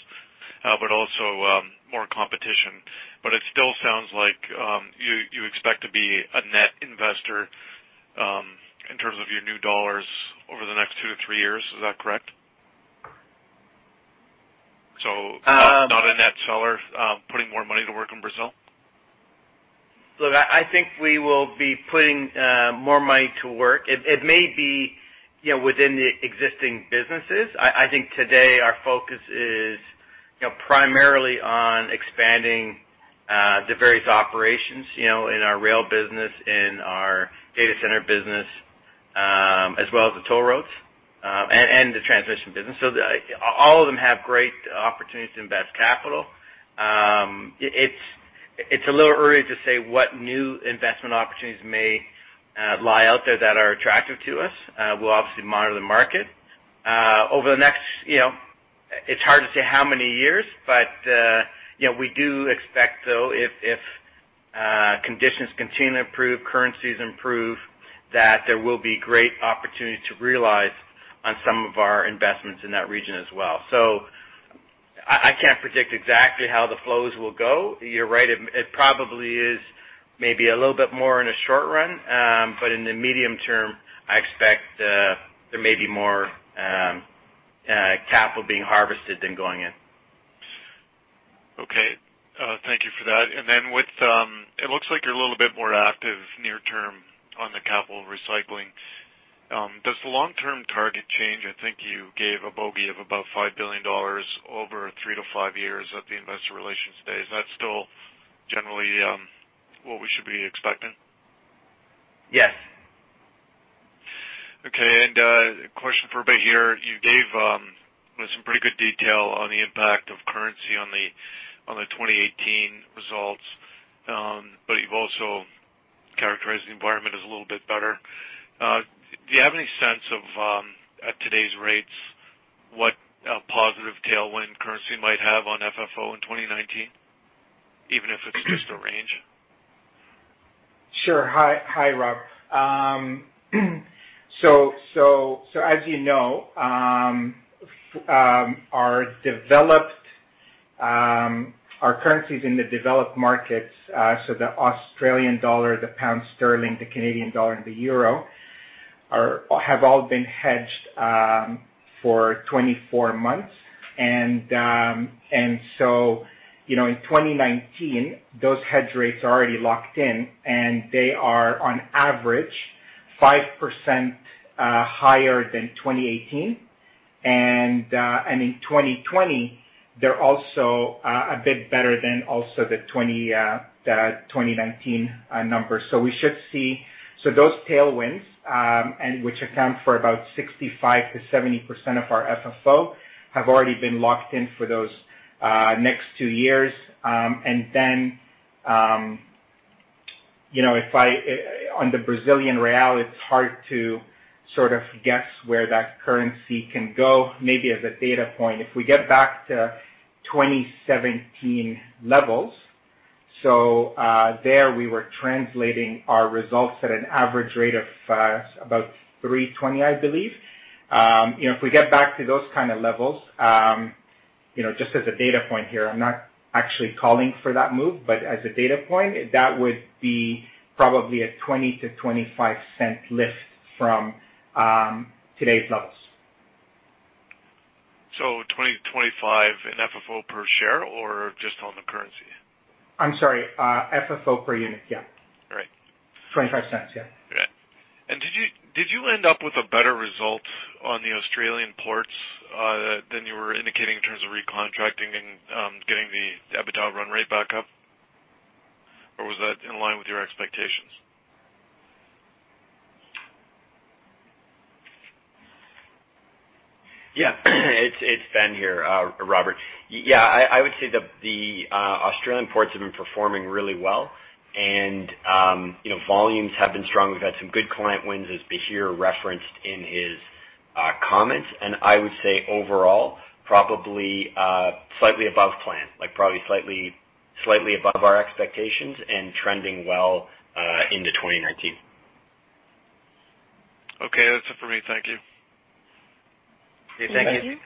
but also more competition. It still sounds like you expect to be a net investor in terms of your new dollars over the next two to three years. Is that correct? Not a net seller, putting more money to work in Brazil? Look, I think we will be putting more money to work. It may be within the existing businesses. I think today our focus is primarily on expanding the various operations in our rail business, in our data center business, as well as the toll roads, and the transmission business. All of them have great opportunities to invest capital. It's a little early to say what new investment opportunities may lie out there that are attractive to us. We'll obviously monitor the market. Over the next, it's hard to say how many years, but we do expect, though, if conditions continue to improve, currencies improve, that there will be great opportunities to realize on some of our investments in that region as well. I can't predict exactly how the flows will go. You're right, it probably is maybe a little bit more in the short run, but in the medium term, I expect there may be more capital being harvested than going in. Okay. Thank you for that. Then it looks like you're a little bit more active near term on the capital recycling. Does the long-term target change? I think you gave a bogey of about $5 billion over three to five years at the investor relations day. Is that still generally what we should be expecting? Yes. Okay. A question for Bahir. You gave some pretty good detail on the impact of currency on the 2018 results, you've also characterized the environment as a little bit better. Do you have any sense of, at today's rates, what a positive tailwind currency might have on FFO in 2019, even if it's just a range? Sure. Hi, Rob. As you know, our currencies in the developed markets, the Australian dollar, the pound sterling, the Canadian dollar, and the euro, have all been hedged for 24 months. In 2019, those hedge rates are already locked in, and they are, on average, 5% higher than 2018. In 2020, they're also a bit better than also the 2019 numbers. Those tailwinds, which account for about 65%-70% of our FFO, have already been locked in for those next two years. On the Brazilian real, it's hard to sort of guess where that currency can go. Maybe as a data point, if we get back to 2017 levels, there we were translating our results at an average rate of about 320, I believe. If we get back to those kind of levels, just as a data point here, I'm not actually calling for that move, but as a data point, that would be probably a $0.20 to $0.25 lift from today's levels. 20-25 in FFO per share, or just on the currency? I'm sorry, FFO per unit. Yeah. All right. $0.25. Yeah. Okay. Did you end up with a better result on the Australian ports than you were indicating in terms of recontracting and getting the EBITDA run rate back up? Or was that in line with your expectations? Yeah. It's Ben here, Robert. Yeah, I would say the Australian ports have been performing really well, and volumes have been strong. We've had some good client wins, as Bahir referenced in his comments. I would say overall, probably slightly above plan, probably slightly above our expectations and trending well into 2019. Okay, that's it for me. Thank you. Okay, thank you. Thank you.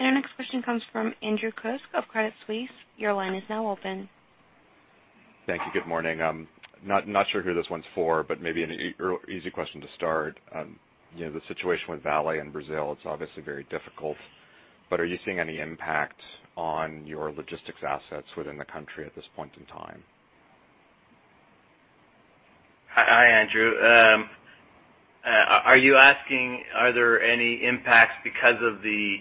Our next question comes from Andrew Kuske of Credit Suisse. Your line is now open. Thank you. Good morning. I'm not sure who this one's for, but maybe an easy question to start. The situation with Vale in Brazil, it's obviously very difficult. Are you seeing any impact on your logistics assets within the country at this point in time? Hi, Andrew. Are you asking are there any impacts because of the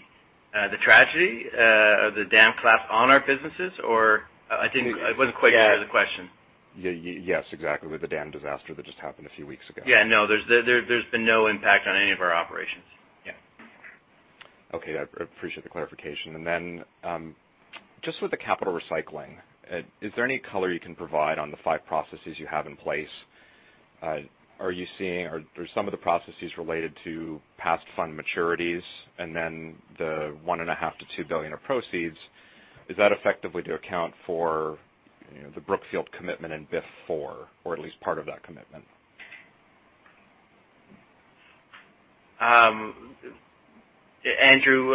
tragedy of the dam collapse on our businesses, or? I wasn't quite sure of the question. Yes, exactly. With the dam disaster that just happened a few weeks ago. Yeah, no, there's been no impact on any of our operations. Yeah. Okay. I appreciate the clarification. Then, just with the capital recycling, is there any color you can provide on the five processes you have in place? Are you seeing, or some of the processes related to past fund maturities and then the $1.5 billion-$2 billion of proceeds, is that effectively to account for the Brookfield commitment in BIF IV or at least part of that commitment? Andrew,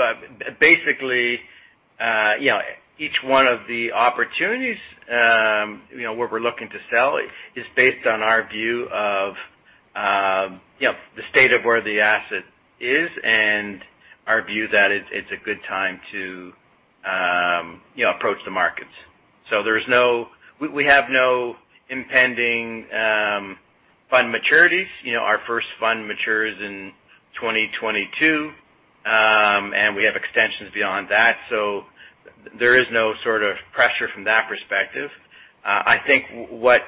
basically, each one of the opportunities, what we're looking to sell is based on our view of the state of where the asset is and our view that it's a good time to approach the markets. We have no impending fund maturities. Our first fund matures in 2022. We have extensions beyond that, so there is no sort of pressure from that perspective. I think the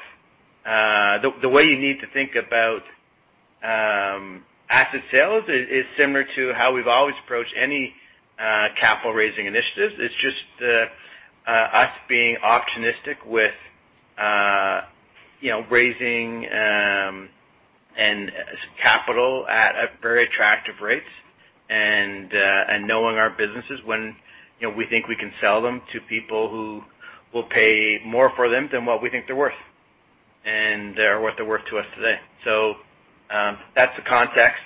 way you need to think about asset sales is similar to how we've always approached any capital-raising initiatives. It's just us being opportunistic with raising capital at a very attractive rates and knowing our businesses when we think we can sell them to people who will pay more for them than what we think they're worth, and what they're worth to us today. That's the context.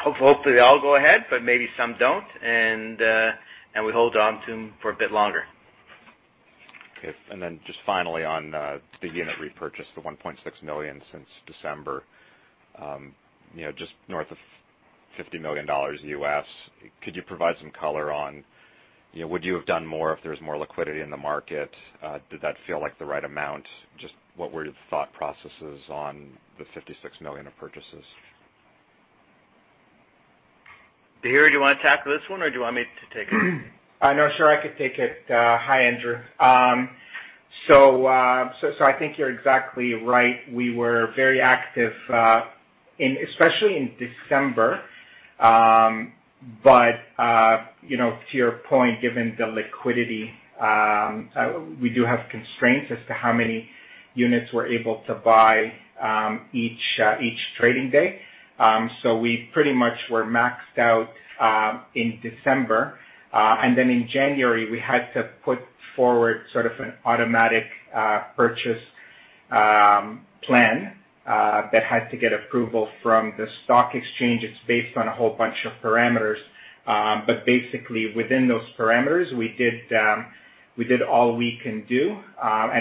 Hopefully, they all go ahead, but maybe some don't, and we hold on to them for a bit longer. Okay. Then just finally on the unit repurchase, the $1.6 million since December. Just north of $50 million, could you provide some color on would you have done more if there was more liquidity in the market? Did that feel like the right amount? Just what were your thought processes on the $56 million of purchases? Bahir, do you want to tackle this one, or do you want me to take it? No, sure, I can take it. Hi, Andrew. I think you're exactly right. We were very active especially in December. To your point, given the liquidity, we do have constraints as to how many units we're able to buy each trading day. We pretty much were maxed out in December. In January, we had to put forward sort of an automatic purchase plan that had to get approval from the stock exchange. It's based on a whole bunch of parameters. Basically, within those parameters, we did all we can do.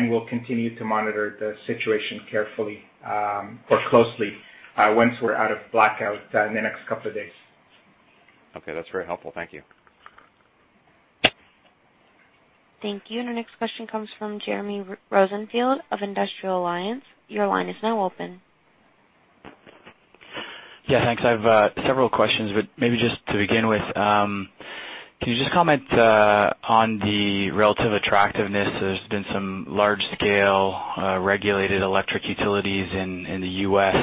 We'll continue to monitor the situation carefully or closely once we're out of blackout in the next couple of days. Okay. That's very helpful. Thank you. Thank you. Our next question comes from Jeremy Rosenfield of Industrial Alliance. Your line is now open. Yeah, thanks. I have several questions, but maybe just to begin with, can you just comment on the relative attractiveness? There's been some large-scale, regulated electric utilities in the U.S.,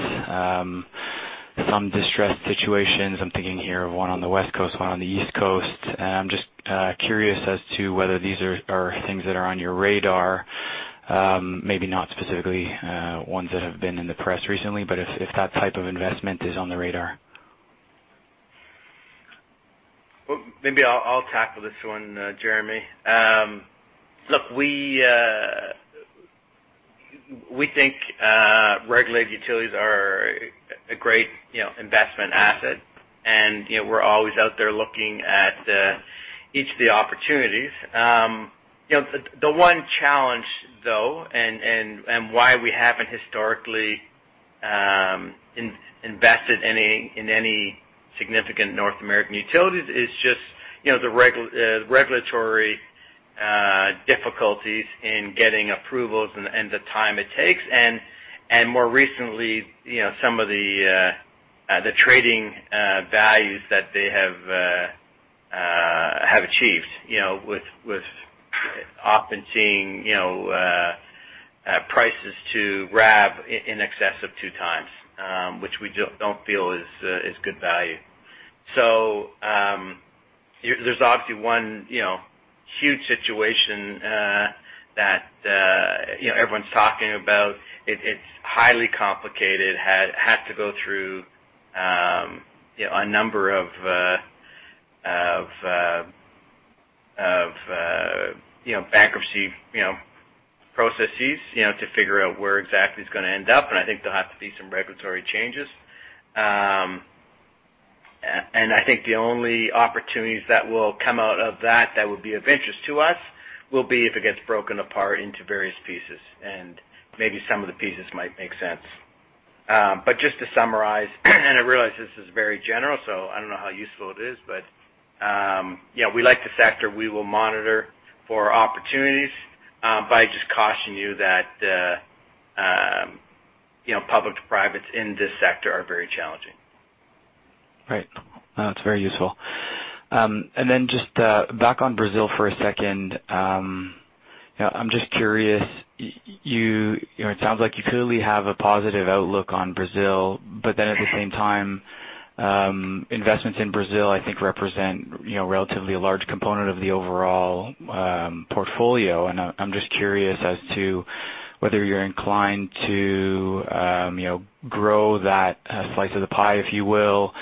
some distressed situations. I'm thinking here of one on the West Coast, one on the East Coast. I'm just curious as to whether these are things that are on your radar. Maybe not specifically ones that have been in the press recently, but if that type of investment is on the radar. Maybe I'll tackle this one, Jeremy. Look, we think regulated utilities are a great investment asset. We're always out there looking at each of the opportunities. The one challenge, though, and why we haven't historically invested in any significant North American utilities is just the regulatory difficulties in getting approvals and the time it takes. More recently, some of the trading values that they have achieved with often seeing prices to RAV in excess of 2x, which we don't feel is good value. There's obviously one huge situation that everyone's talking about. It's highly complicated. It had to go through a number of bankruptcy processes to figure out where exactly it's going to end up. I think there'll have to be some regulatory changes. I think the only opportunities that will come out of that would be of interest to us, will be if it gets broken apart into various pieces, and maybe some of the pieces might make sense. Just to summarize, and I realize this is very general, so I don't know how useful it is, but we like the sector. We will monitor for opportunities. I just caution you that public to privates in this sector are very challenging. Right. No, it's very useful. Just back on Brazil for a second. I'm just curious. It sounds like you clearly have a positive outlook on Brazil, but then at the same time, investments in Brazil, I think, represent relatively a large component of the overall portfolio. I'm just curious as to whether you're inclined to grow that slice of the pie, if you will.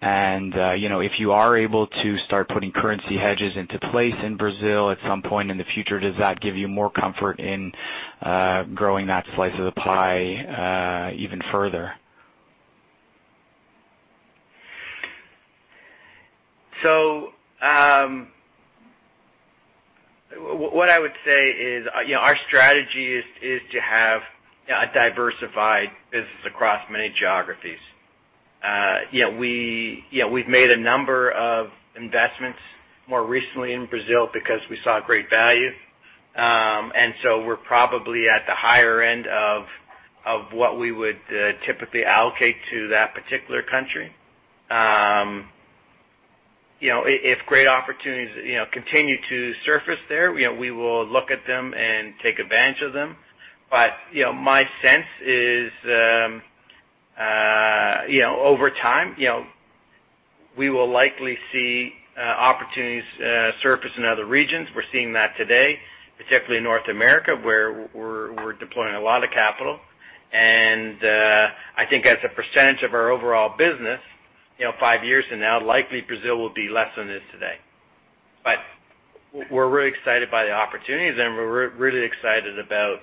If you are able to start putting currency hedges into place in Brazil at some point in the future, does that give you more comfort in growing that slice of the pie even further? What I would say is our strategy is to have a diversified business across many geographies. We've made a number of investments more recently in Brazil because we saw great value. We're probably at the higher end of what we would typically allocate to that particular country. If great opportunities continue to surface there, we will look at them and take advantage of them. My sense is, over time, we will likely see opportunities surface in other regions. We're seeing that today, particularly in North America, where we're deploying a lot of capital. I think as a percentage of our overall business, five years from now, likely Brazil will be less than it is today. We're really excited by the opportunities, and we're really excited about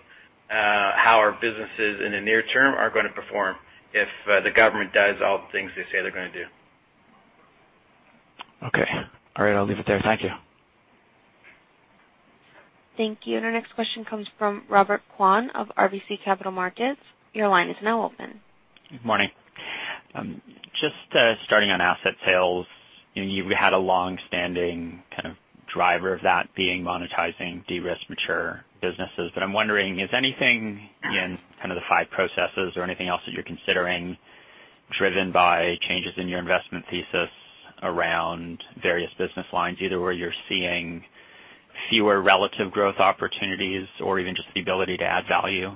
how our businesses in the near term are going to perform if the government does all the things they say they're going to do. Okay. All right, I'll leave it there. Thank you. Thank you. Our next question comes from Robert Kwan of RBC Capital Markets. Your line is now open. Good morning. Just starting on asset sales. You've had a long-standing driver of that being monetizing de-risk mature businesses. I'm wondering, is anything in the five processes or anything else that you're considering driven by changes in your investment thesis around various business lines, either where you're seeing fewer relative growth opportunities or even just the ability to add value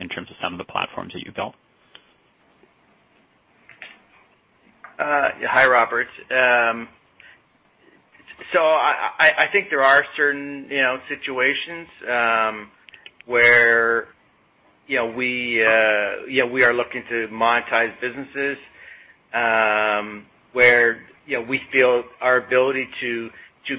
in terms of some of the platforms that you've built? Hi, Robert. I think there are certain situations where we are looking to monetize businesses, where we feel our ability to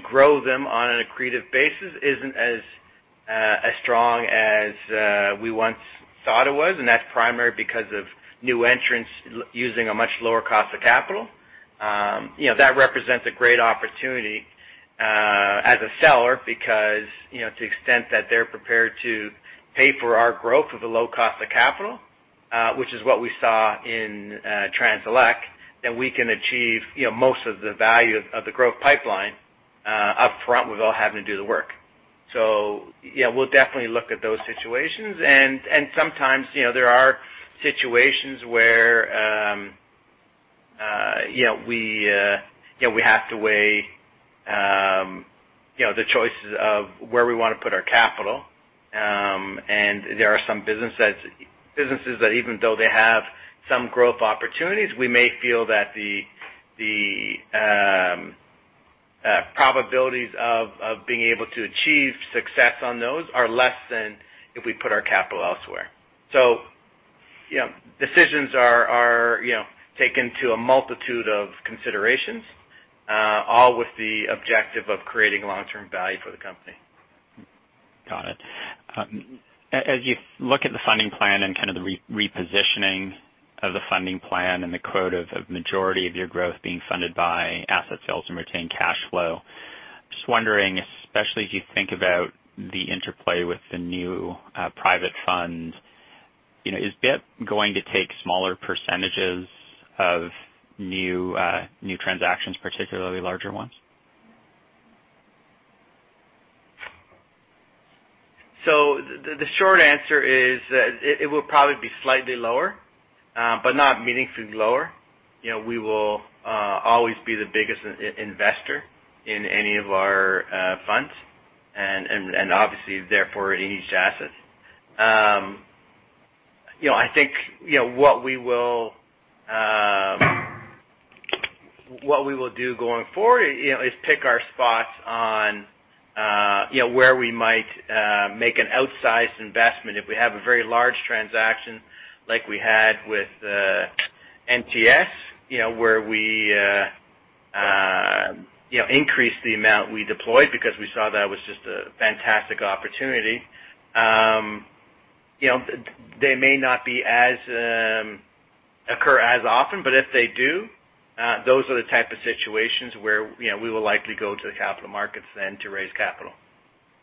grow them on an accretive basis isn't as strong as we once thought it was, and that's primarily because of new entrants using a much lower cost of capital. That represents a great opportunity as a seller because, to the extent that they're prepared to pay for our growth with a low cost of capital, which is what we saw in Trans-Elect, then we can achieve most of the value of the growth pipeline up front without having to do the work. Yeah, we'll definitely look at those situations. Sometimes there are situations where we have to weigh the choices of where we want to put our capital. There are some businesses that even though they have some growth opportunities, we may feel that the probabilities of being able to achieve success on those are less than if we put our capital elsewhere. Decisions are taken to a multitude of considerations, all with the objective of creating long-term value for the company. Got it. As you look at the funding plan and the repositioning of the funding plan and the quote of majority of your growth being funded by asset sales and retained cash flow, just wondering, especially as you think about the interplay with the new private funds, is BIP going to take smaller percentages of new transactions, particularly larger ones? The short answer is that it will probably be slightly lower, but not meaningfully lower. We will always be the biggest investor in any of our funds, and obviously, therefore, in each asset. I think what we will do going forward is pick our spots on where we might make an outsized investment. If we have a very large transaction like we had with NTS, where we increase the amount we deployed because we saw that was just a fantastic opportunity. They may not occur as often, but if they do, those are the type of situations where we will likely go to the capital markets then to raise capital.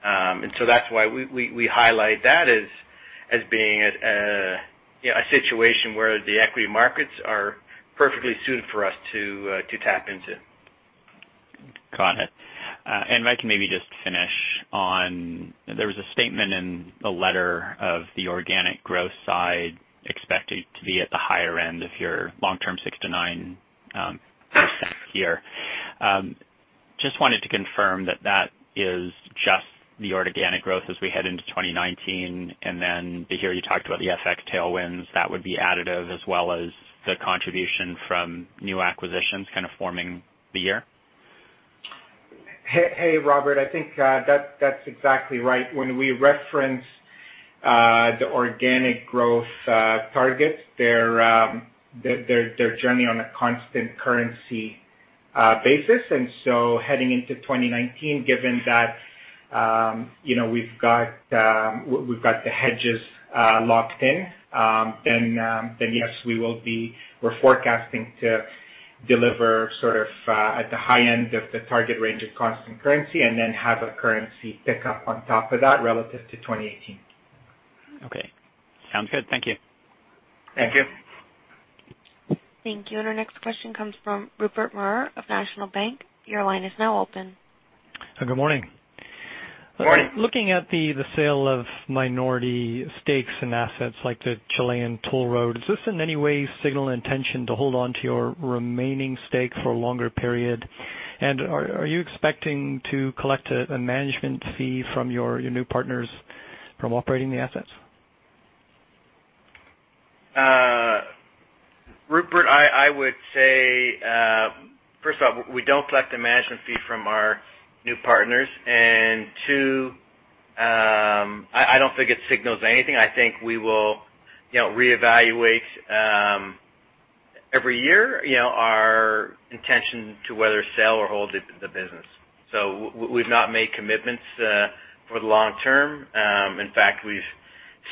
That's why we highlight that as being a situation where the equity markets are perfectly suited for us to tap into. Got it. If I can maybe just finish on, there was a statement in the letter of the organic growth side expecting to be at the higher end of your long-term 6%-9% here. Just wanted to confirm that that is just the organic growth as we head into 2019, then to hear you talked about the FX tailwinds, that would be additive as well as the contribution from new acquisitions kind of forming the year. Hey, Robert. I think that's exactly right. When we reference the organic growth targets, they're usually on a constant currency basis. So heading into 2019, given that we've got the hedges locked in, then yes, we're forecasting to deliver sort of at the high end of the target range of constant currency and then have a currency pickup on top of that relative to 2018. Okay. Sounds good. Thank you. Thank you. Thank you. Our next question comes from Rupert Merer of National Bank. Your line is now open. Good morning. Morning. Looking at the sale of minority stakes in assets like the Chilean toll road, is this in any way signal intention to hold on to your remaining stake for a longer period? Are you expecting to collect a management fee from your new partners from operating the assets? Rupert, I would say, first off, we don't collect a management fee from our new partners, two, I don't think it signals anything. I think we will reevaluate every year our intention to whether sell or hold the business. We've not made commitments for the long term. In fact, we've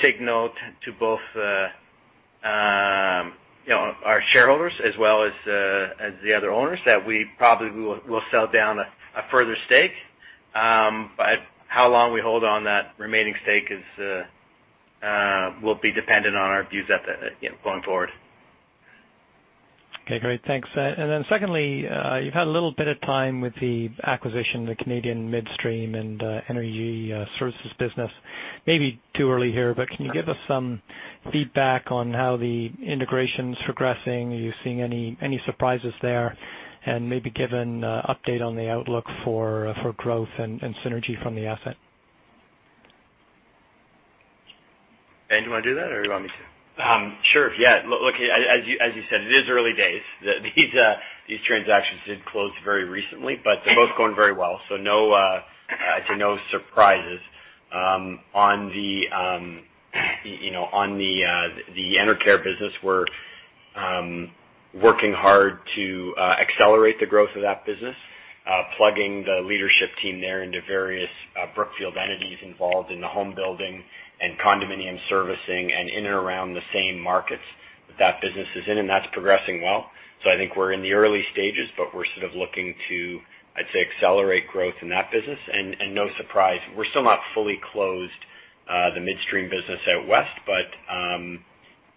signaled to both our shareholders as well as the other owners that we probably will sell down a further stake. How long we hold on that remaining stake will be dependent on our views going forward. Okay, great. Thanks. Secondly, you've had a little bit of time with the acquisition, the Canadian midstream and energy services business. May be too early here, but can you give us some feedback on how the integration's progressing? Are you seeing any surprises there? Maybe give an update on the outlook for growth and synergy from the asset. Ben, do you want to do that, or you want me to? Sure. Yeah. Look, as you said, it is early days. These transactions did close very recently, but they're both going very well, no surprises. On the Enercare business, we're working hard to accelerate the growth of that business, plugging the leadership team there into various Brookfield entities involved in the home building and condominium servicing and in and around the same markets that business is in, and that's progressing well. I think we're in the early stages, but we're sort of looking to, I'd say, accelerate growth in that business. No surprise, we're still not fully closed the midstream business out West, but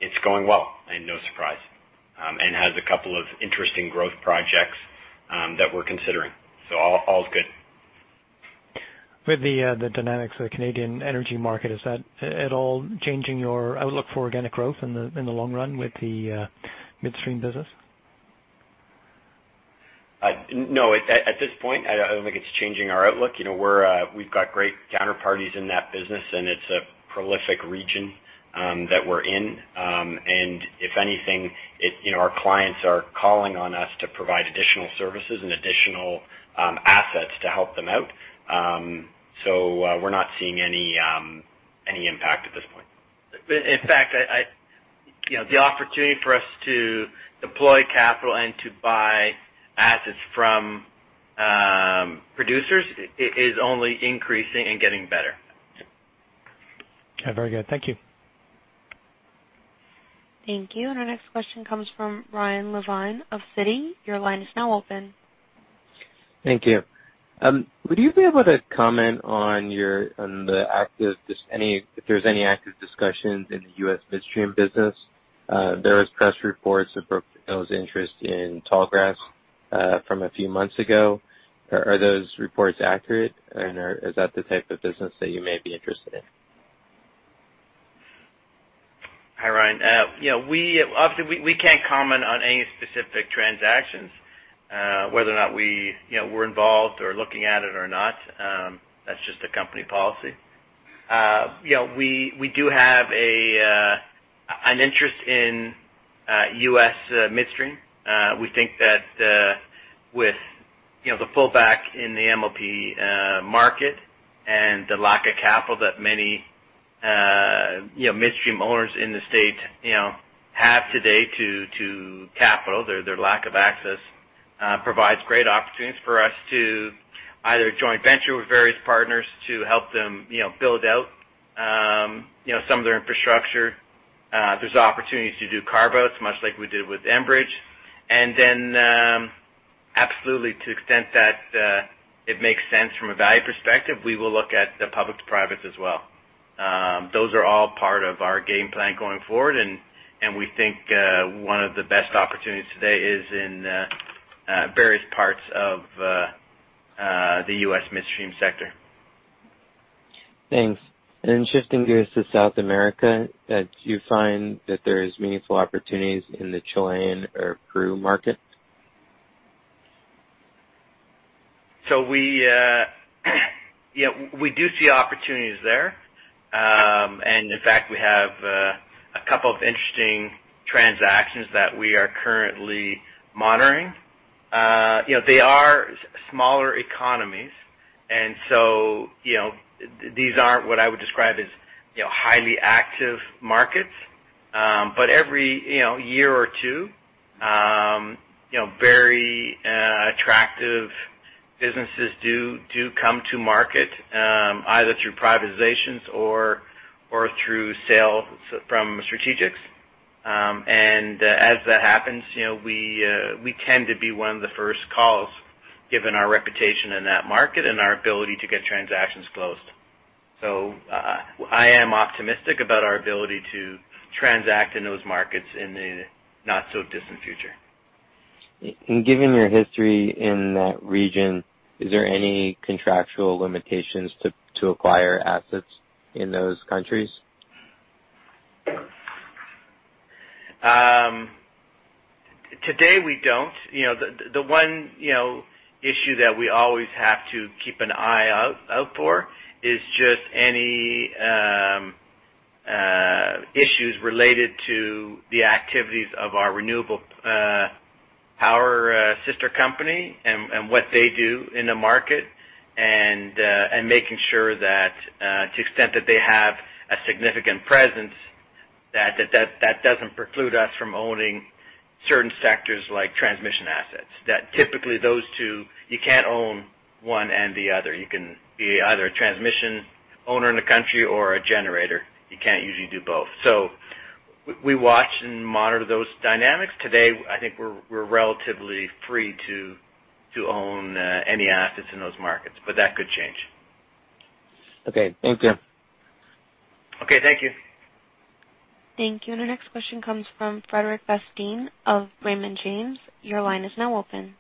it's going well, no surprise. Has a couple of interesting growth projects that we're considering. All's good. With the dynamics of the Canadian energy market, is that at all changing your outlook for organic growth in the long run with the midstream business? No. At this point, I don't think it's changing our outlook. We've got great counterparties in that business, and it's a prolific region that we're in. If anything, our clients are calling on us to provide additional services and additional assets to help them out. We're not seeing any impact at this point. In fact, the opportunity for us to deploy capital and to buy assets from producers is only increasing and getting better. Very good. Thank you. Thank you. Our next question comes from Ryan Levine of Citi. Your line is now open. Thank you. Would you be able to comment on if there's any active discussions in the U.S. midstream business? There was press reports of Brookfield's interest in Tallgrass from a few months ago. Are those reports accurate, and is that the type of business that you may be interested in? Hi, Ryan. We can't comment on any specific transactions. Whether or not we're involved or looking at it or not, that's just a company policy. We do have an interest in U.S. midstream. We think that with the pull back in the MLP market and the lack of capital that many midstream owners in the States have today to capital, their lack of access provides great opportunities for us to either joint venture with various partners to help them build out some of their infrastructure. There's opportunities to do carve-outs, much like we did with Enbridge. Absolutely, to the extent that it makes sense from a value perspective, we will look at the public to private as well. Those are all part of our game plan going forward. We think one of the best opportunities today is in various parts of the U.S. midstream sector. Thanks. Shifting gears to South America, do you find that there is meaningful opportunities in the Chilean or Peru market? We do see opportunities there. In fact, we have a couple of interesting transactions that we are currently monitoring. They are smaller economies. These aren't what I would describe as highly active markets. Every year or two, very attractive businesses do come to market, either through privatisations or through sale from strategics. As that happens, we tend to be one of the first calls given our reputation in that market and our ability to get transactions closed. I am optimistic about our ability to transact in those markets in the not so distant future. Given your history in that region, is there any contractual limitations to acquire assets in those countries? Today, we don't. The one issue that we always have to keep an eye out for is just any issues related to the activities of our renewable power sister company and what they do in the market. Making sure that to the extent that they have a significant presence, that doesn't preclude us from owning certain sectors like transmission assets. Typically those two, you can't own one and the other. You can be either a transmission owner in the country or a generator. You can't usually do both. We watch and monitor those dynamics. Today, I think we're relatively free to own any assets in those markets, but that could change. Okay. Thank you. Okay. Thank you. Thank you. Our next question comes from Frederic Bastien of Raymond James. Your line is now open.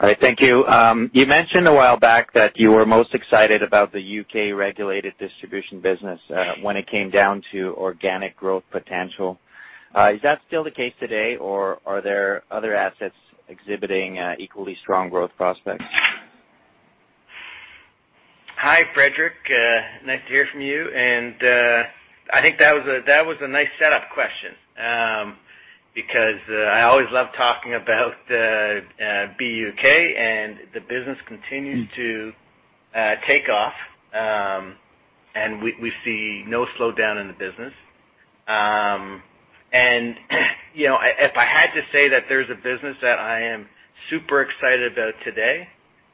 All right. Thank you. You mentioned a while back that you were most excited about the U.K. regulated distribution business when it came down to organic growth potential. Is that still the case today, or are there other assets exhibiting equally strong growth prospects? Hi, Frederic. Nice to hear from you. I think that was a nice set-up question. I always love talking about BUK, the business continues to take off. We see no slowdown in the business. If I had to say that there's a business that I am super excited about today,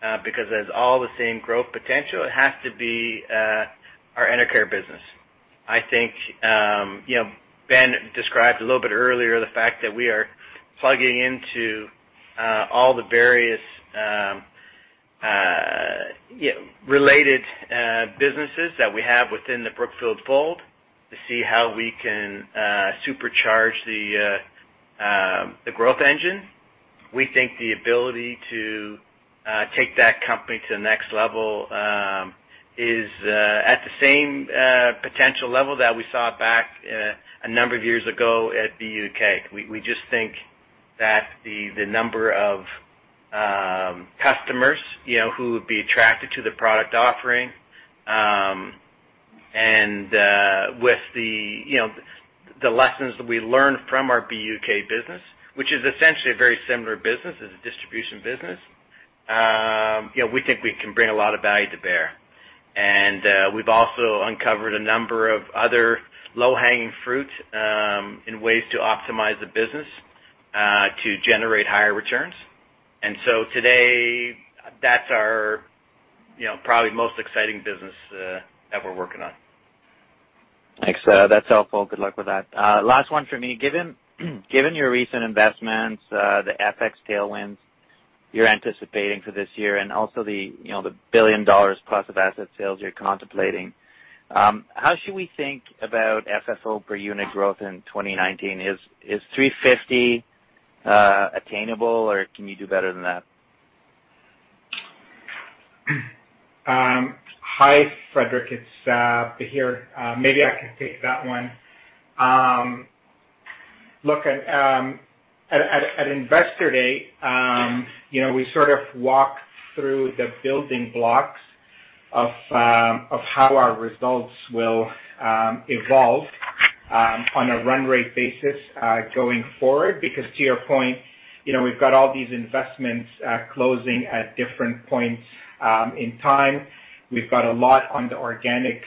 it has all the same growth potential, it has to be our Enercare business. I think Ben described a little bit earlier the fact that we are plugging into all the various related businesses that we have within the Brookfield fold to see how we can supercharge the growth engine. We think the ability to take that company to the next level is at the same potential level that we saw back a number of years ago at BUK. We just think that the number of customers who would be attracted to the product offering, with the lessons that we learned from our BUK business, which is essentially a very similar business. It's a distribution business. We think we can bring a lot of value to bear. We've also uncovered a number of other low-hanging fruit in ways to optimize the business to generate higher returns. Today, that's our probably most exciting business that we're working on. Thanks. That's helpful. Good luck with that. Last one from me. Given your recent investments, the FX tailwinds you're anticipating for this year and also the $1 billion plus of asset sales you're contemplating, how should we think about FFO per unit growth in 2019? Is $350 attainable, or can you do better than that? Hi, Frederic. It's Bahir. Maybe I can take that one. Look, at Investor Day, we sort of walked through the building blocks of how our results will evolve on a run rate basis going forward. To your point, we've got all these investments closing at different points in time. We've got a lot on the organic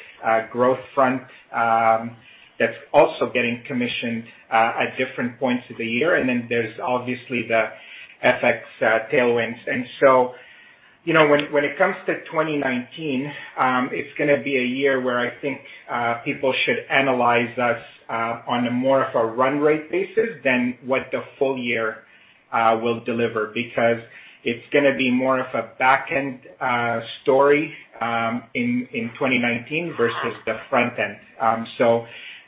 growth front that's also getting commissioned at different points of the year. Then there's obviously the FX tailwinds. When it comes to 2019, it's going to be a year where I think people should analyze us on a more of a run rate basis than what the full year will deliver. It's going to be more of a back end story in 2019 versus the front end.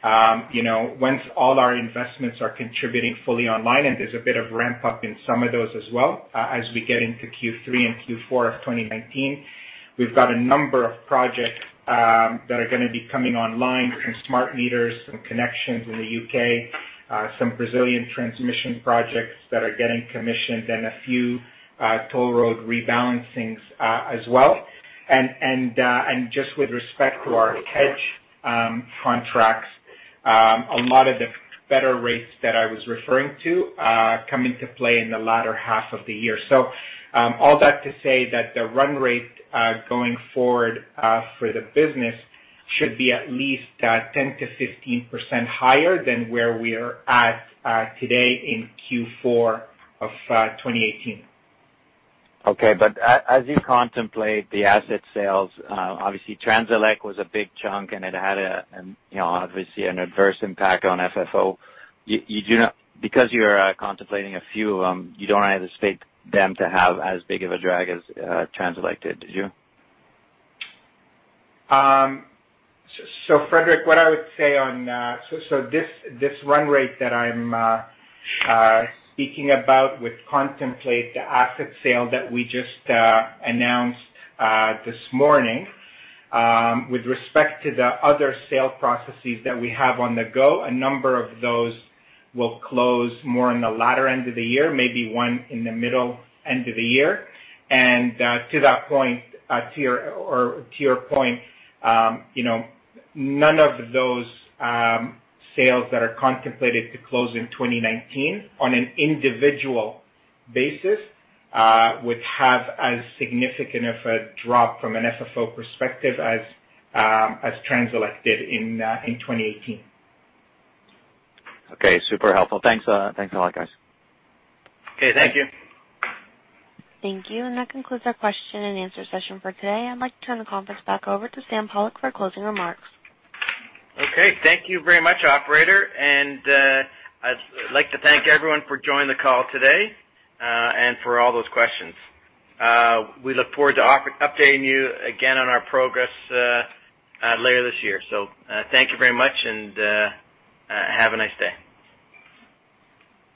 Once all our investments are contributing fully online, and there's a bit of ramp-up in some of those as well, as we get into Q3 and Q4 of 2019. We've got a number of projects that are going to be coming online, some smart meters, some connections in the U.K., some Brazilian transmission projects that are getting commissioned, and a few toll road rebalancings as well. Just with respect to our hedge contracts, a lot of the better rates that I was referring to come into play in the latter half of the year. All that to say that the run rate going forward for the business should be at least 10%-15% higher than where we're at today in Q4 of 2018. Okay, as you contemplate the asset sales, obviously Trans-Elect was a big chunk and it had obviously an adverse impact on FFO. You're contemplating a few of them, you don't anticipate them to have as big of a drag as Trans-Elect did you? Frederic, what I would say, so this run rate that I'm speaking about would contemplate the asset sale that we just announced this morning. With respect to the other sale processes that we have on the go, a number of those will close more in the latter end of the year, maybe one in the middle end of the year. To your point, none of those sales that are contemplated to close in 2019 on an individual basis would have as significant of a drop from an FFO perspective as Trans-Elect did in 2018. Okay. Super helpful. Thanks a lot, guys. Okay. Thank you. Thank you. That concludes our question and answer session for today. I'd like to turn the conference back over to Sam Pollock for closing remarks. Thank you very much, operator. I'd like to thank everyone for joining the call today, and for all those questions. We look forward to updating you again on our progress later this year. Thank you very much and have a nice day.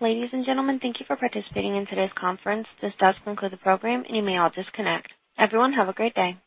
Ladies and gentlemen, thank you for participating in today's conference. This does conclude the program, and you may all disconnect. Everyone, have a great day.